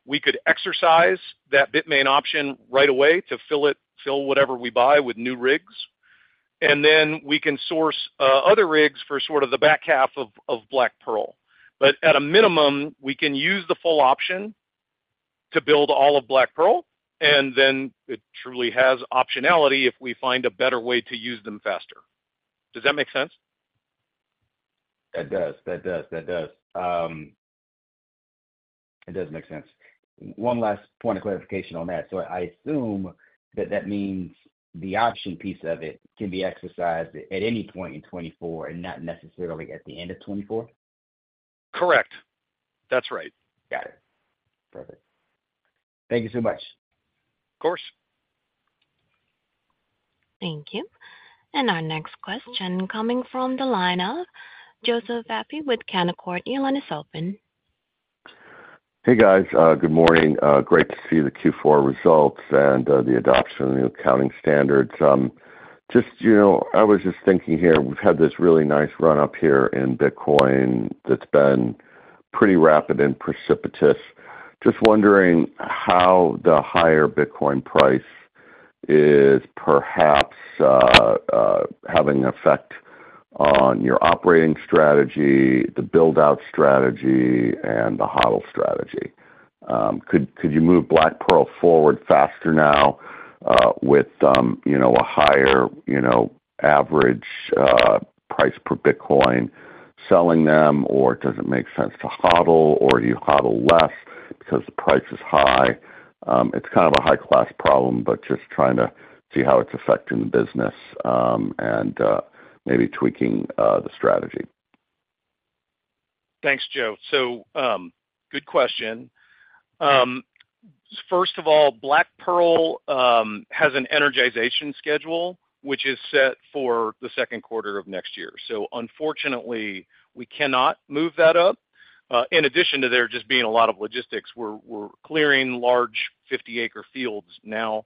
We could exercise that Bitmain option right away to fill whatever we buy with new rigs, and then we can source other rigs for sort of the back half of Black Pearl. But at a minimum, we can use the full option to build all of Black Pearl, and then it truly has optionality if we find a better way to use them faster. Does that make sense? That does. That does. That does. It does make sense. One last point of clarification on that. So I assume that that means the option piece of it can be exercised at any point in 2024 and not necessarily at the end of 2024? Correct. That's right. Got it. Perfect. Thank you so much. Of course. Thank you. Our next question coming from the line of Joseph Vafi with Canaccord. Your line is open. Hey, guys, good morning. Great to see the Q4 results and the adoption of the new accounting standards. Just, you know, I was just thinking here, we've had this really nice run-up here in Bitcoin that's been pretty rapid and precipitous. Just wondering how the higher Bitcoin price is perhaps having an effect on your operating strategy, the build-out strategy, and the HODL strategy. Could you move Black Pearl forward faster now with a higher average price per Bitcoin, selling them, or does it make sense to HODL, or do you HODL less because the price is high? It's kind of a high-class problem, but just trying to see how it's affecting the business and maybe tweaking the strategy. Thanks, Joe. So, good question. First of all, Black Pearl has an energization schedule, which is set for the second quarter of next year. So unfortunately, we cannot move that up. In addition to there just being a lot of logistics, we're clearing large 50-acre fields now.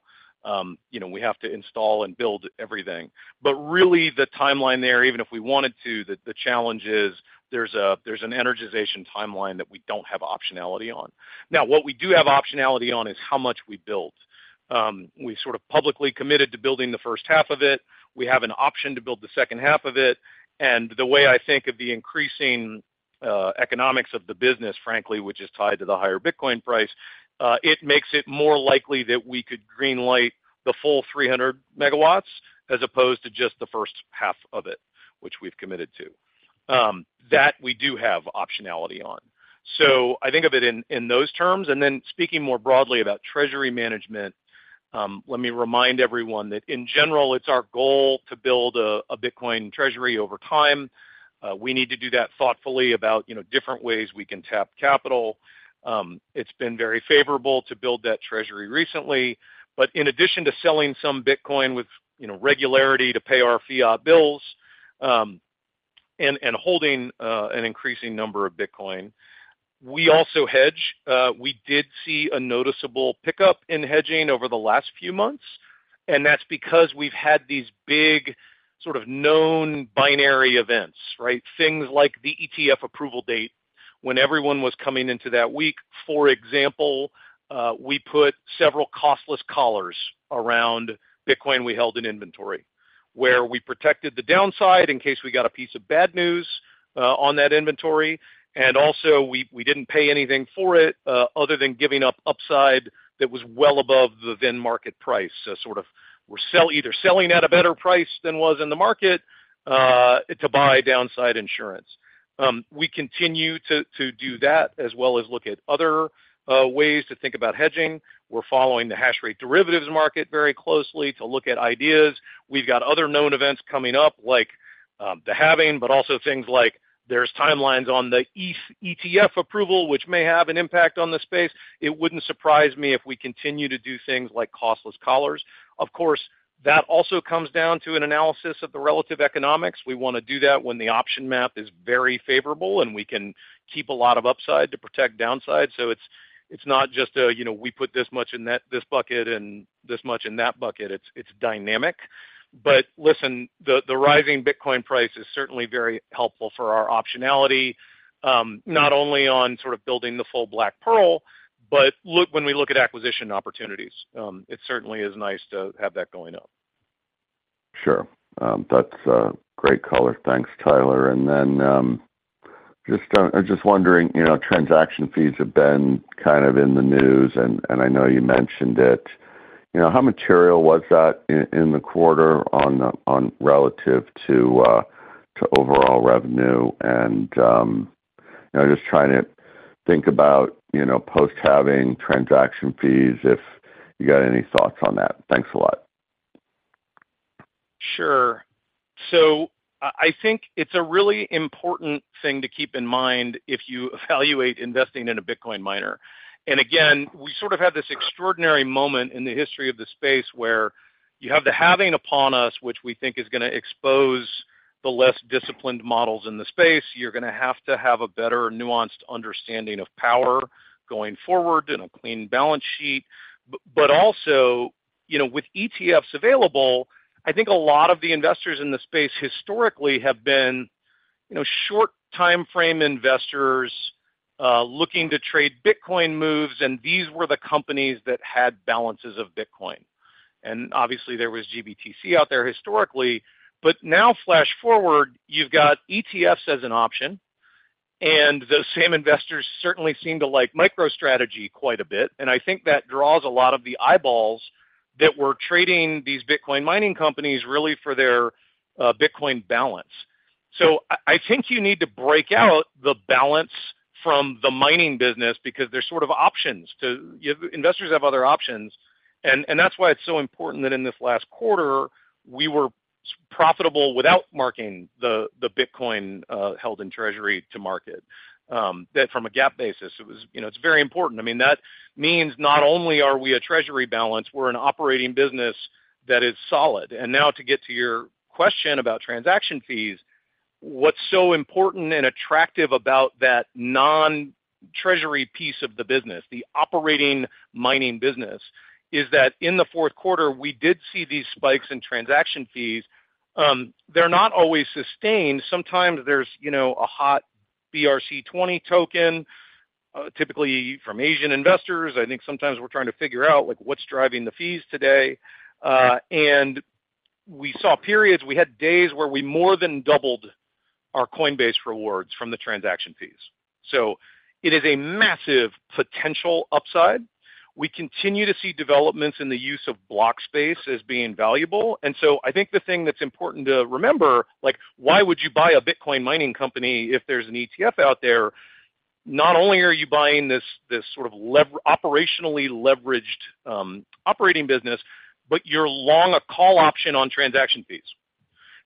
You know, we have to install and build everything. But really, the timeline there, even if we wanted to, the challenge is there's an energization timeline that we don't have optionality on. Now, what we do have optionality on is how much we build. We sort of publicly committed to building the first half of it. We have an option to build the second half of it, and the way I think of the increasing economics of the business, frankly, which is tied to the higher Bitcoin price, it makes it more likely that we could greenlight the full 300 MW as opposed to just the first half of it, which we've committed to. That we do have optionality on. So I think of it in those terms, and then speaking more broadly about treasury management, let me remind everyone that in general, it's our goal to build a Bitcoin treasury over time. We need to do that thoughtfully about, you know, different ways we can tap capital. It's been very favorable to build that treasury recently, but in addition to selling some Bitcoin with, you know, regularity to pay our fiat bills, and holding an increasing number of Bitcoin, we also hedge. We did see a noticeable pickup in hedging over the last few months, and that's because we've had these big sort of known binary events, right? Things like the ETF approval date, when everyone was coming into that week. For example, we put several costless collars around Bitcoin we held in inventory, where we protected the downside in case we got a piece of bad news on that inventory. And also we didn't pay anything for it, other than giving up upside that was well above the then market price. So sort of we're either selling at a better price than was in the market to buy downside insurance. We continue to do that, as well as look at other ways to think about hedging. We're following the hash rate derivatives market very closely to look at ideas. We've got other known events coming up, like the halving, but also things like there's timelines on the ETH ETF approval, which may have an impact on the space. It wouldn't surprise me if we continue to do things like costless collars. Of course, that also comes down to an analysis of the relative economics. We want to do that when the option map is very favorable, and we can keep a lot of upside to protect downside. So it's, it's not just a, you know, we put this much in that—this bucket and this much in that bucket. It's, it's dynamic. But listen, the, the rising Bitcoin price is certainly very helpful for our optionality, not only on sort of building the full Black Pearl, but look—when we look at acquisition opportunities. It certainly is nice to have that going up. Sure. That's a great color. Thanks, Tyler. And then, just, I'm just wondering, you know, transaction fees have been kind of in the news, and, and I know you mentioned it. You know, how material was that in the quarter on, on relative to, to overall revenue? And, you know, just trying to think about, you know, post-halving transaction fees, if you got any thoughts on that. Thanks a lot. Sure. So I think it's a really important thing to keep in mind if you evaluate investing in a Bitcoin miner. And again, we sort of have this extraordinary moment in the history of the space where you have the halving upon us, which we think is gonna expose the less disciplined models in the space. You're gonna have to have a better nuanced understanding of power going forward and a clean balance sheet. But also, you know, with ETFs available, I think a lot of the investors in the space historically have been, you know, short timeframe investors, looking to trade Bitcoin moves, and these were the companies that had balances of Bitcoin. And obviously, there was GBTC out there historically, but now flash forward, you've got ETFs as an option, and those same investors certainly seem to like MicroStrategy quite a bit. I think that draws a lot of the eyeballs that were trading these Bitcoin mining companies really for their Bitcoin balance. So I think you need to break out the balance from the mining business because there are sort of options to investors have other options, and that's why it's so important that in this last quarter, we were so profitable without marking the Bitcoin held in treasury to market. That from a GAAP basis, it was. You know, it's very important. I mean, that means not only are we a treasury balance, we're an operating business that is solid. Now, to get to your question about transaction fees, what's so important and attractive about that non-treasury piece of the business, the operating mining business, is that in the fourth quarter, we did see these spikes in transaction fees. They're not always sustained. Sometimes there's, you know, a hot BRC-20 token, typically from Asian investors. I think sometimes we're trying to figure out, like, what's driving the fees today. And we saw periods, we had days where we more than doubled our Coinbase rewards from the transaction fees. So it is a massive potential upside. We continue to see developments in the use of block space as being valuable. And so I think the thing that's important to remember, like, why would you buy a Bitcoin mining company if there's an ETF out there? Not only are you buying this, this sort of leveraged, operationally leveraged, operating business, but you're long a call option on transaction fees.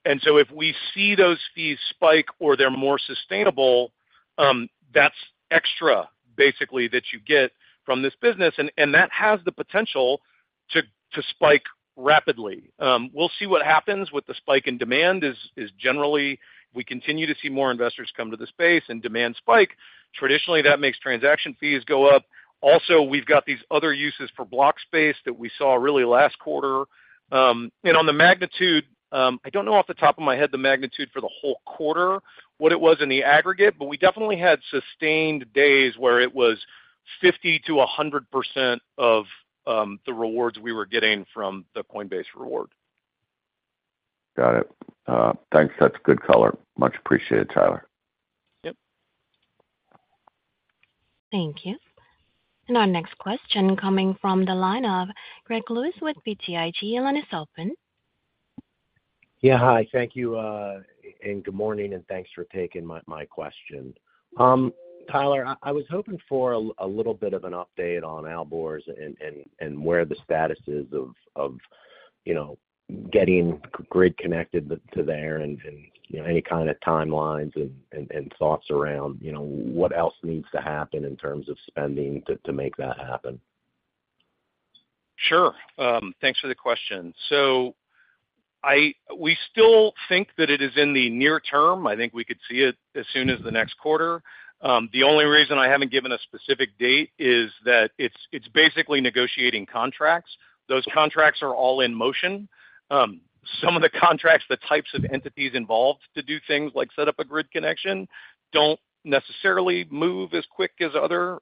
If we see those fees spike or they're more sustainable, that's extra basically that you get from this business, and that has the potential to spike rapidly. We'll see what happens with the spike in demand. Generally we continue to see more investors come to the space and demand spike. Traditionally, that makes transaction fees go up. Also, we've got these other uses for block space that we saw really last quarter. And on the magnitude, I don't know off the top of my head the magnitude for the whole quarter, what it was in the aggregate, but we definitely had sustained days where it was 50%-100% of the rewards we were getting from the Coinbase reward. Got it. Thanks. That's good color. Much appreciated, Tyler. Yep. Thank you. Our next question coming from the line of Greg Lewis with BTIG. Your line is open. Yeah, hi. Thank you, and good morning, and thanks for taking my question. Tyler, I was hoping for a little bit of an update on Alborz and where the status is of getting grid connected to there and, you know, any kind of timelines and thoughts around, you know, what else needs to happen in terms of spending to make that happen? Sure. Thanks for the question. So we still think that it is in the near term. I think we could see it as soon as the next quarter. The only reason I haven't given a specific date is that it's basically negotiating contracts. Those contracts are all in motion. Some of the contracts, the types of entities involved to do things like set up a grid connection, don't necessarily move as quick as other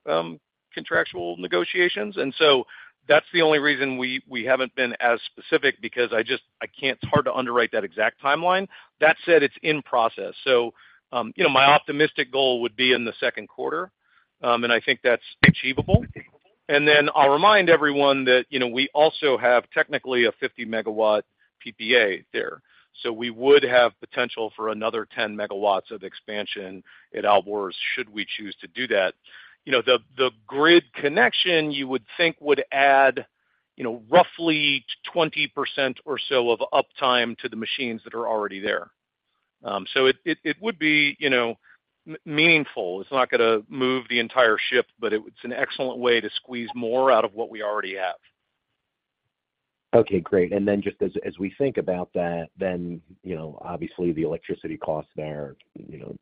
contractual negotiations. And so that's the only reason we haven't been as specific, because it's hard to underwrite that exact timeline. That said, it's in process. So, you know, my optimistic goal would be in the second quarter, and I think that's achievable. And then I'll remind everyone that, you know, we also have technically a 50-MW PPA there, so we would have potential for another 10 megawatts of expansion at Alborz, should we choose to do that. You know, the grid connection, you would think, would add, you know, roughly 20% or so of uptime to the machines that are already there. So it would be, you know, meaningful. It's not gonna move the entire ship, but it's an excellent way to squeeze more out of what we already have. Okay, great. And then just as we think about that, then, you know, obviously the electricity costs there are, you know,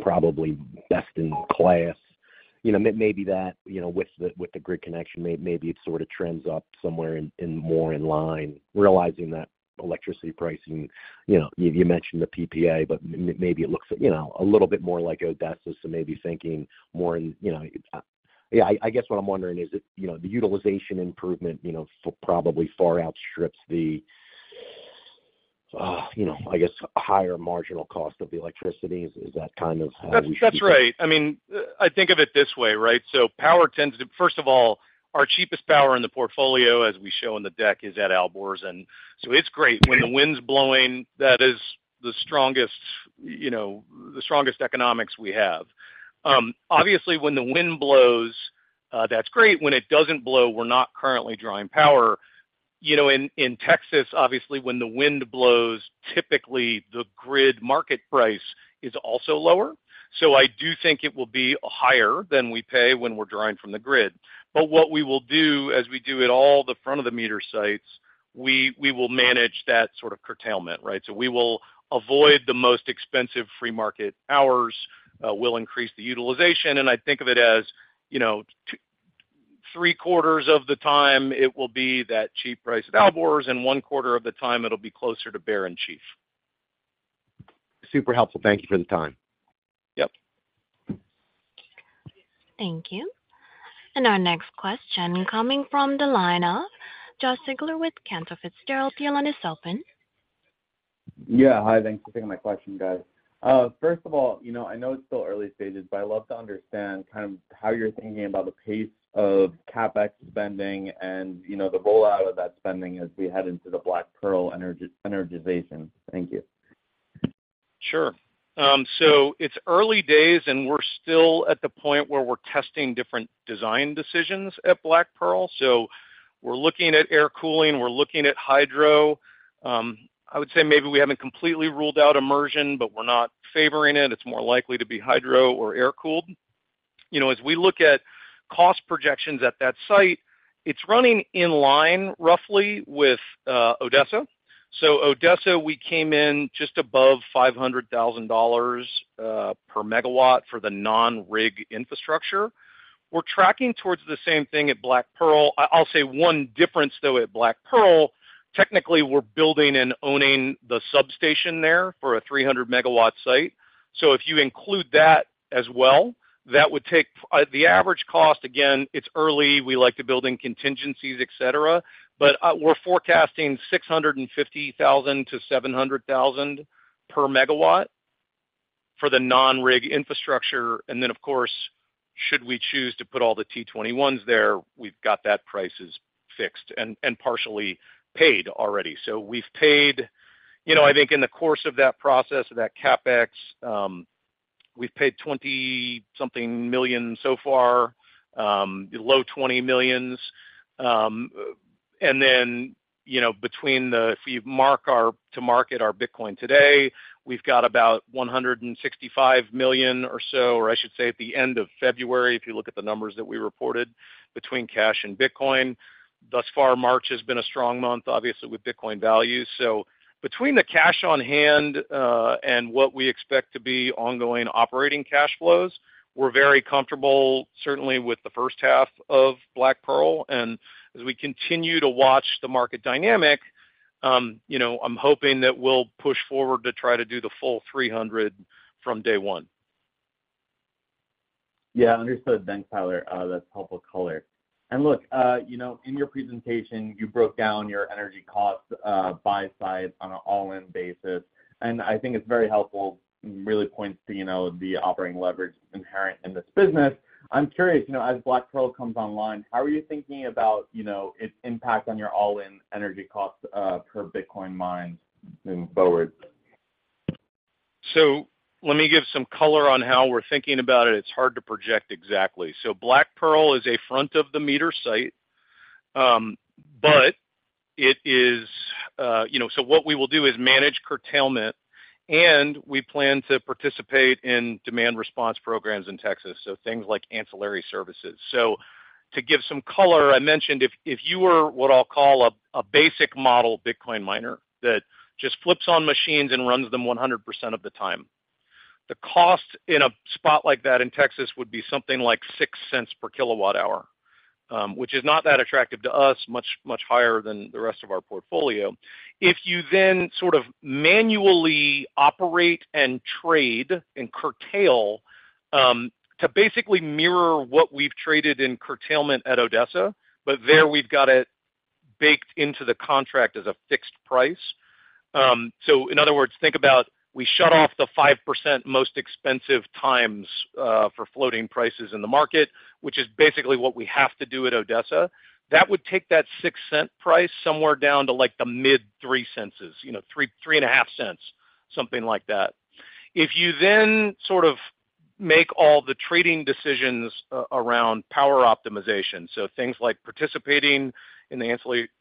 probably best in class. You know, maybe that, you know, with the grid connection, maybe it sort of trends up somewhere in more in line, realizing that electricity pricing, you know, you mentioned the PPA, but maybe it looks, you know, a little bit more like Odessa, so maybe thinking more in, you know. Yeah, I guess what I'm wondering is if, you know, the utilization improvement, you know, probably far outstrips the, you know, I guess, higher marginal cost of the electricity. Is that kind of how we should keep it? That's right. I mean, I think of it this way, right? So power tends to... First of all, our cheapest power in the portfolio, as we show in the deck, is at Alborz, and so it's great. When the wind's blowing, that is the strongest, you know, the strongest economics we have... Obviously, when the wind blows, that's great. When it doesn't blow, we're not currently drawing power. You know, in Texas, obviously, when the wind blows, typically the grid market price is also lower. So I do think it will be higher than we pay when we're drawing from the grid. But what we will do, as we do at all the front of the meter sites, we will manage that sort of curtailment, right? We will avoid the most expensive free market hours. We'll increase the utilization, and I think of it as, you know, three quarters of the time, it will be that cheap price of Alborz, and one quarter of the time it'll be closer to Bear and Chief. Super helpful. Thank you for the time. Yep. Thank you. Our next question coming from the line of Josh Siegler with Cantor Fitzgerald. Your line is open. Yeah, hi, thanks for taking my question, guys. First of all, you know, I know it's still early stages, but I'd love to understand kind of how you're thinking about the pace of CapEx spending and, you know, the rollout of that spending as we head into the Black Pearl energization. Thank you. Sure. So it's early days, and we're still at the point where we're testing different design decisions at Black Pearl. So we're looking at air cooling, we're looking at hydro. I would say maybe we haven't completely ruled out immersion, but we're not favoring it. It's more likely to be hydro or air-cooled. You know, as we look at cost projections at that site, it's running in line roughly with Odessa. So Odessa, we came in just above $500,000 per megawatt for the non-rig infrastructure. We're tracking towards the same thing at Black Pearl. I'll say one difference, though, at Black Pearl, technically, we're building and owning the substation there for a 300-MW site. So if you include that as well, that would take the average cost -- again, it's early, we like to build in contingencies, et cetera, but we're forecasting $650,000-$700,000 per megawatt for the non-rig infrastructure. And then, of course, should we choose to put all the T21s there, we've got that prices fixed and partially paid already. So we've paid, you know, I think in the course of that process, of that CapEx, we've paid $20-something million so far, below $20 million. And then, you know, between the if you mark to market our Bitcoin today, we've got about $165 million or so, or I should say, at the end of February, if you look at the numbers that we reported between cash and Bitcoin. Thus far, March has been a strong month, obviously, with Bitcoin values. So between the cash on hand, and what we expect to be ongoing operating cash flows, we're very comfortable, certainly with the first half of Black Pearl. And as we continue to watch the market dynamic, you know, I'm hoping that we'll push forward to try to do the full 300 from day one. Yeah, understood. Thanks, Tyler. That's helpful color. And look, you know, in your presentation, you broke down your energy costs by site on an all-in basis, and I think it's very helpful, really points to, you know, the operating leverage inherent in this business. I'm curious, you know, as Black Pearl comes online, how are you thinking about, you know, its impact on your all-in energy costs per Bitcoin mined moving forward? So let me give some color on how we're thinking about it. It's hard to project exactly. Black Pearl is a front-of-the-meter site, but it is—you know—so what we will do is manage curtailment, and we plan to participate in demand response programs in Texas, so things like ancillary services. To give some color, I mentioned if you were what I'll call a basic model Bitcoin miner that just flips on machines and runs them 100% of the time, the cost in a spot like that in Texas would be something like $0.06 per kWh, which is not that attractive to us, much higher than the rest of our portfolio. If you then sort of manually operate and trade and curtail to basically mirror what we've traded in curtailment at Odessa, but there we've got it baked into the contract as a fixed price. So in other words, think about we shut off the 5% most expensive times for floating prices in the market, which is basically what we have to do at Odessa. That would take that $0.06 price somewhere down to, like, the mid-$0.03, you know, $0.035, something like that. If you then sort of make all the trading decisions around power optimization, so things like participating in the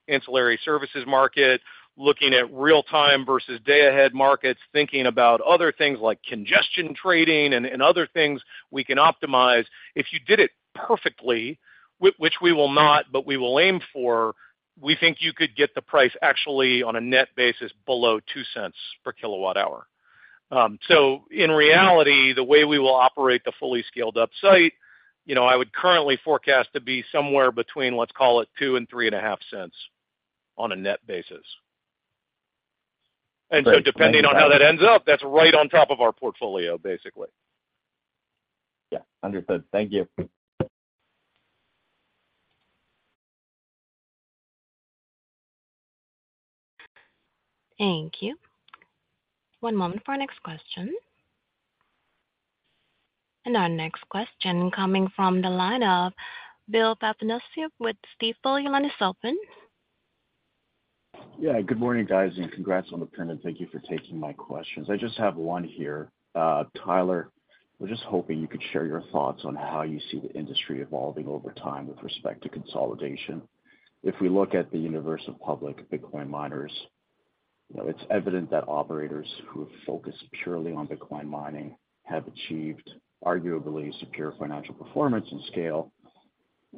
ancillary services market, looking at real-time versus day-ahead markets, thinking about other things like congestion trading and other things we can optimize, if you did it perfectly, which we will not, but we will aim for, we think you could get the price actually on a net basis below $0.02 per kWh. So in reality, the way we will operate the fully scaled up site, you know, I would currently forecast to be somewhere between, let's call it $0.02-$0.035 on a net basis. Great. Depending on how that ends up, that's right on top of our portfolio, basically. Yeah, understood. Thank you. Thank you. One moment for our next question. Our next question coming from the line of Bill Papanastasiou with Stifel. Your line is open.... Yeah, good morning, guys, and congrats on the print, and thank you for taking my questions. I just have one here. Tyler, I was just hoping you could share your thoughts on how you see the industry evolving over time with respect to consolidation. If we look at the universe of public Bitcoin miners, you know, it's evident that operators who have focused purely on Bitcoin mining have achieved arguably superior financial performance and scale,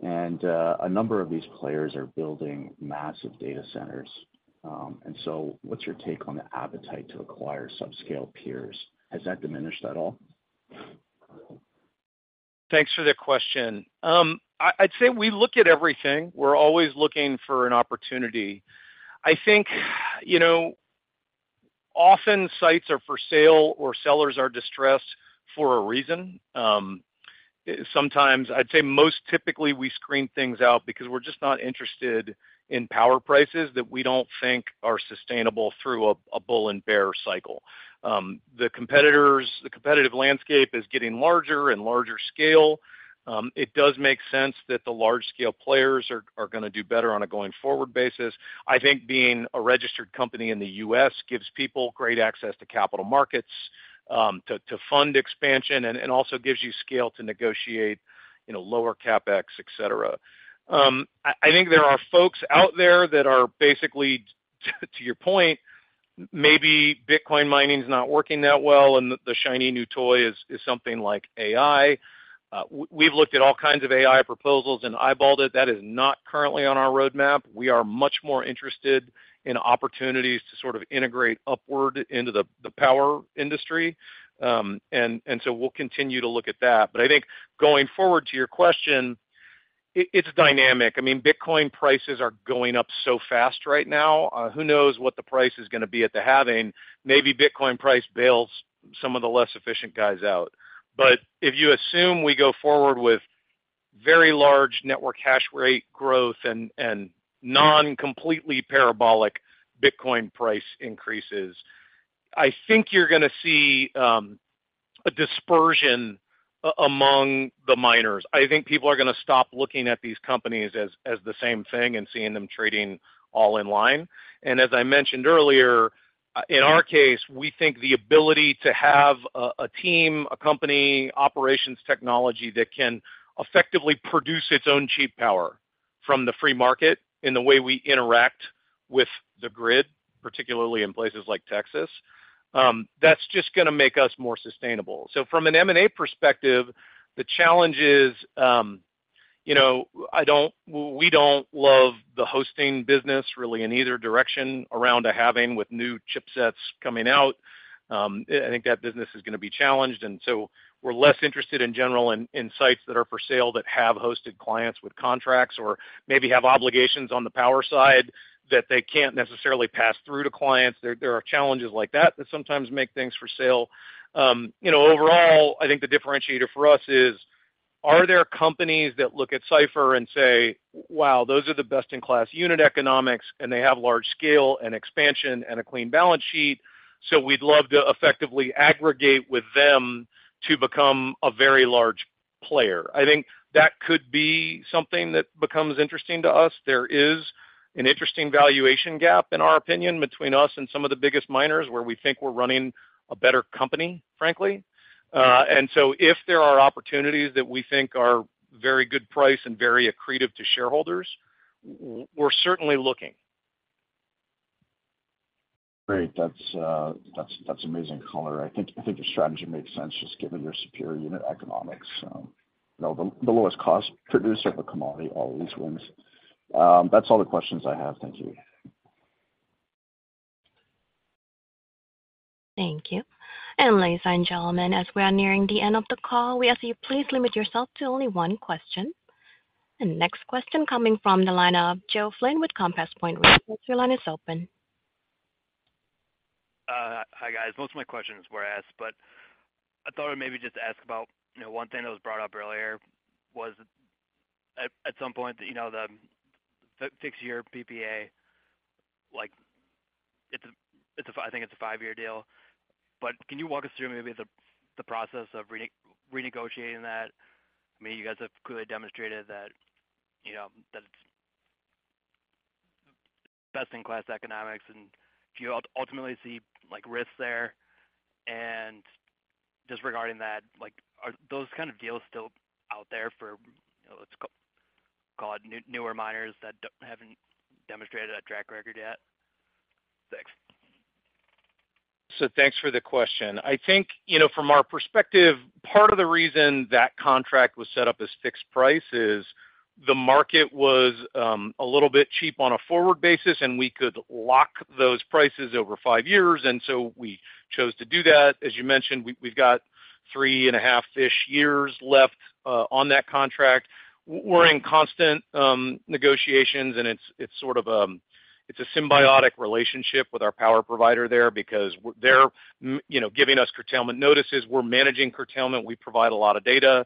and a number of these players are building massive data centers. And so what's your take on the appetite to acquire subscale peers? Has that diminished at all? Thanks for the question. I'd say we look at everything. We're always looking for an opportunity. I think, you know, often sites are for sale or sellers are distressed for a reason. Sometimes, I'd say most typically, we screen things out because we're just not interested in power prices that we don't think are sustainable through a bull and bear cycle. The competitors, the competitive landscape is getting larger and larger scale. It does make sense that the large scale players are gonna do better on a going forward basis. I think being a registered company in the U.S. gives people great access to capital markets, to fund expansion and also gives you scale to negotiate, you know, lower CapEx, et cetera. I think there are folks out there that are basically, to your point, maybe Bitcoin mining's not working that well, and the shiny new toy is something like AI. We've looked at all kinds of AI proposals and eyeballed it. That is not currently on our roadmap. We are much more interested in opportunities to sort of integrate upward into the power industry. So we'll continue to look at that. But I think going forward, to your question, it's dynamic. I mean, Bitcoin prices are going up so fast right now, who knows what the price is gonna be at the halving? Maybe Bitcoin price bails some of the less efficient guys out. But if you assume we go forward with very large network hash rate growth and non-completely parabolic Bitcoin price increases, I think you're gonna see a dispersion among the miners. I think people are gonna stop looking at these companies as the same thing and seeing them trading all in line. And as I mentioned earlier, in our case, we think the ability to have a team, a company, operations technology that can effectively produce its own cheap power from the free market in the way we interact with the grid, particularly in places like Texas, that's just gonna make us more sustainable. So from an M&A perspective, the challenge is, you know, we don't love the hosting business really in either direction around a halving with new chipsets coming out. I think that business is gonna be challenged, and so we're less interested in general in sites that are for sale that have hosted clients with contracts or maybe have obligations on the power side that they can't necessarily pass through to clients. There are challenges like that, that sometimes make things for sale. You know, overall, I think the differentiator for us is, are there companies that look at Cipher and say, "Wow, those are the best-in-class unit economics, and they have large scale and expansion and a clean balance sheet, so we'd love to effectively aggregate with them to become a very large player"? I think that could be something that becomes interesting to us. There is an interesting valuation gap, in our opinion, between us and some of the biggest miners, where we think we're running a better company, frankly. And so if there are opportunities that we think are very good price and very accretive to shareholders, we're certainly looking. Great. That's amazing color. I think your strategy makes sense just given your superior unit economics. You know, the lowest cost producer of a commodity always wins. That's all the questions I have. Thank you. Thank you. Ladies and gentlemen, as we are nearing the end of the call, we ask that you please limit yourself to only one question. The next question coming from the line of Joe Flynn with Compass Point Research. Your line is open. Hi, guys. Most of my questions were asked, but I thought I'd maybe just ask about, you know, one thing that was brought up earlier was at some point that, you know, the five-year PPA, like it's a, it's a five-year deal. But can you walk us through maybe the process of renegotiating that? I mean, you guys have clearly demonstrated that, you know, that it's best-in-class economics, and do you ultimately see, like, risks there? And just regarding that, like, are those kind of deals still out there for, you know, let's call it newer miners that haven't demonstrated that track record yet? Thanks. So thanks for the question. I think, you know, from our perspective, part of the reason that contract was set up as fixed price is the market was a little bit cheap on a forward basis, and we could lock those prices over five years, and so we chose to do that. As you mentioned, we've got 3.5-ish years left on that contract. We're in constant negotiations, and it's sort of it's a symbiotic relationship with our power provider there because they're you know, giving us curtailment notices. We're managing curtailment. We provide a lot of data.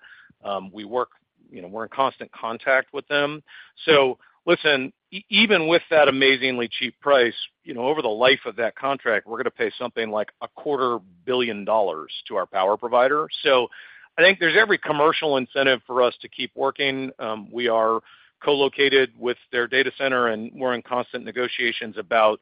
We work you know, we're in constant contact with them. So listen, even with that amazingly cheap price, you know, over the life of that contract, we're gonna pay something like $250 million to our power provider. So I think there's every commercial incentive for us to keep working. We are co-located with their data center, and we're in constant negotiations about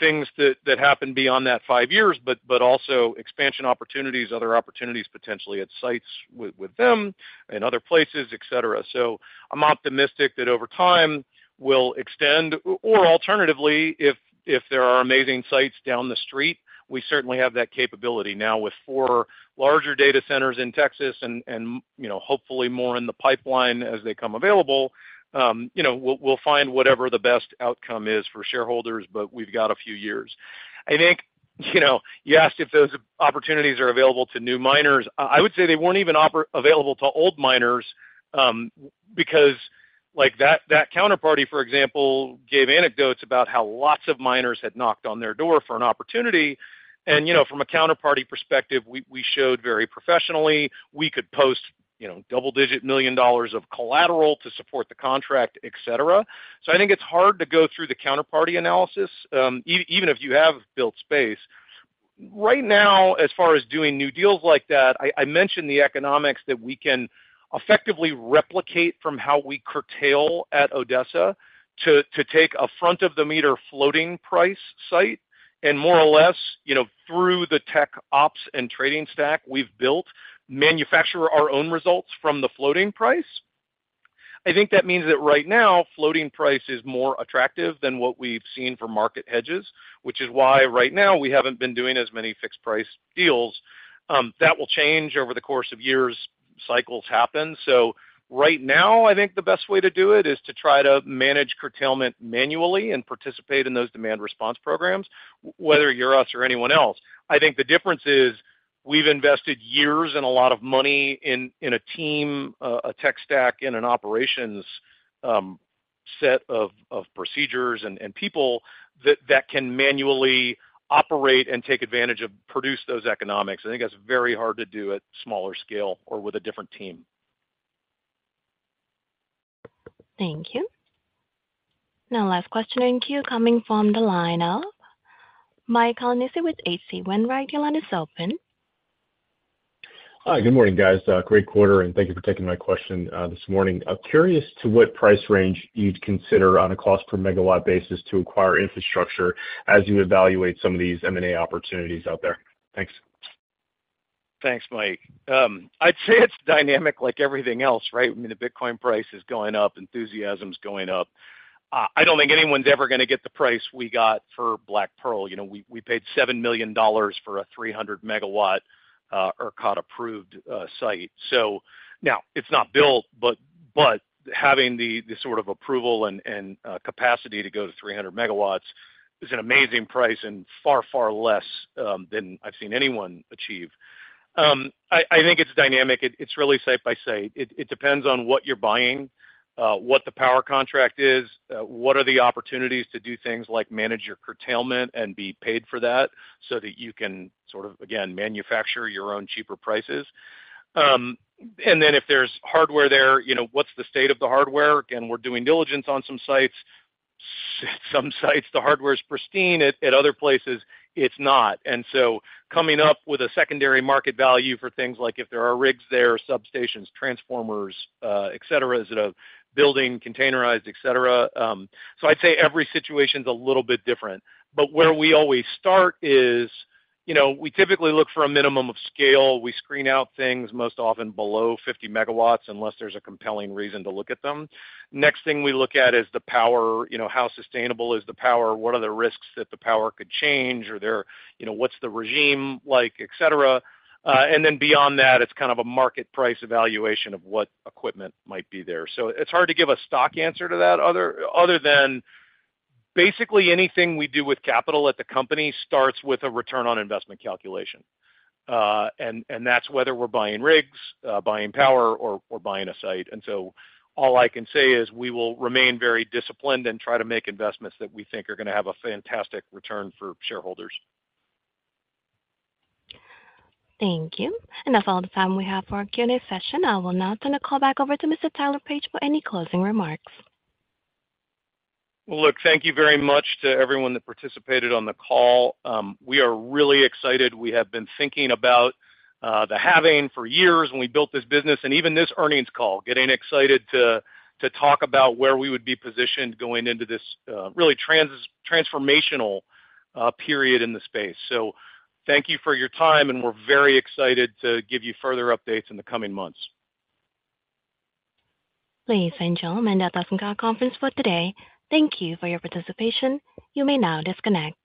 things that happen beyond that five years, but also expansion opportunities, other opportunities potentially at sites with them and other places, et cetera. So I'm optimistic that over time, we'll extend, or alternatively, if there are amazing sites down the street, we certainly have that capability. Now with four larger data centers in Texas and you know, hopefully more in the pipeline as they come available, you know, we'll find whatever the best outcome is for shareholders, but we've got a few years. I think, you know, you asked if those opportunities are available to new miners. I would say they weren't even available to old miners, because like, that counterparty, for example, gave anecdotes about how lots of miners had knocked on their door for an opportunity. You know, from a counterparty perspective, we showed very professionally. We could post, you know, double-digit million dollars of collateral to support the contract, et cetera. So I think it's hard to go through the counterparty analysis, even if you have built space. Right now, as far as doing new deals like that, I mentioned the economics that we can effectively replicate from how we curtail at Odessa to take a front-of-the-meter floating price site and more or less, you know, through the tech ops and trading stack we've built, manufacture our own results from the floating price. I think that means that right now, floating price is more attractive than what we've seen for market hedges, which is why right now we haven't been doing as many fixed price deals. That will change over the course of years, cycles happen. So right now, I think the best way to do it is to try to manage curtailment manually and participate in those demand response programs, whether you're us or anyone else. I think the difference is, we've invested years and a lot of money in a team, a tech stack, in an operations set of procedures and people that can manually operate and take advantage of, produce those economics. I think that's very hard to do at smaller scale or with a different team. Thank you. Now, last question in queue coming from the line of Mike Colonnese with H.C. Wainwright. Your line is open. Hi, good morning, guys. Great quarter, and thank you for taking my question, this morning. I'm curious to what price range you'd consider on a cost per megawatt basis to acquire infrastructure as you evaluate some of these M&A opportunities out there? Thanks. Thanks, Mike. I'd say it's dynamic like everything else, right? I mean, the Bitcoin price is going up, enthusiasm's going up. I don't think anyone's ever gonna get the price we got for Black Pearl. You know, we, we paid $7 million for a 300 MW, ERCOT-approved, site. So now it's not built, but, but having the, the sort of approval and, and, capacity to go to 300 MW is an amazing price and far, far less, than I've seen anyone achieve. I, I think it's dynamic. It, it's really site by site. It, it depends on what you're buying, what the power contract is, what are the opportunities to do things like manage your curtailment and be paid for that, so that you can sort of, again, manufacture your own cheaper prices. And then if there's hardware there, you know, what's the state of the hardware? Again, we're doing diligence on some sites. Some sites, the hardware is pristine, at other places it's not. And so coming up with a secondary market value for things like if there are rigs there, substations, transformers, et cetera. Is it a building, containerized, et cetera? So I'd say every situation's a little bit different, but where we always start is, you know, we typically look for a minimum of scale. We screen out things most often below 50 MW, unless there's a compelling reason to look at them. Next thing we look at is the power, you know, how sustainable is the power? What are the risks that the power could change or there, you know, what's the regime like, et cetera. And then beyond that, it's kind of a market price evaluation of what equipment might be there. So it's hard to give a stock answer to that other than basically anything we do with capital at the company starts with a return on investment calculation. And that's whether we're buying rigs, buying power or buying a site. And so all I can say is we will remain very disciplined and try to make investments that we think are gonna have a fantastic return for shareholders. Thank you. That's all the time we have for our Q&A session. I will now turn the call back over to Mr. Tyler Page for any closing remarks. Well, look, thank you very much to everyone that participated on the call. We are really excited. We have been thinking about the halving for years when we built this business and even this earnings call, getting excited to talk about where we would be positioned going into this really transformational period in the space. So thank you for your time, and we're very excited to give you further updates in the coming months. Ladies and gentlemen, that does end our conference for today. Thank you for your participation. You may now disconnect.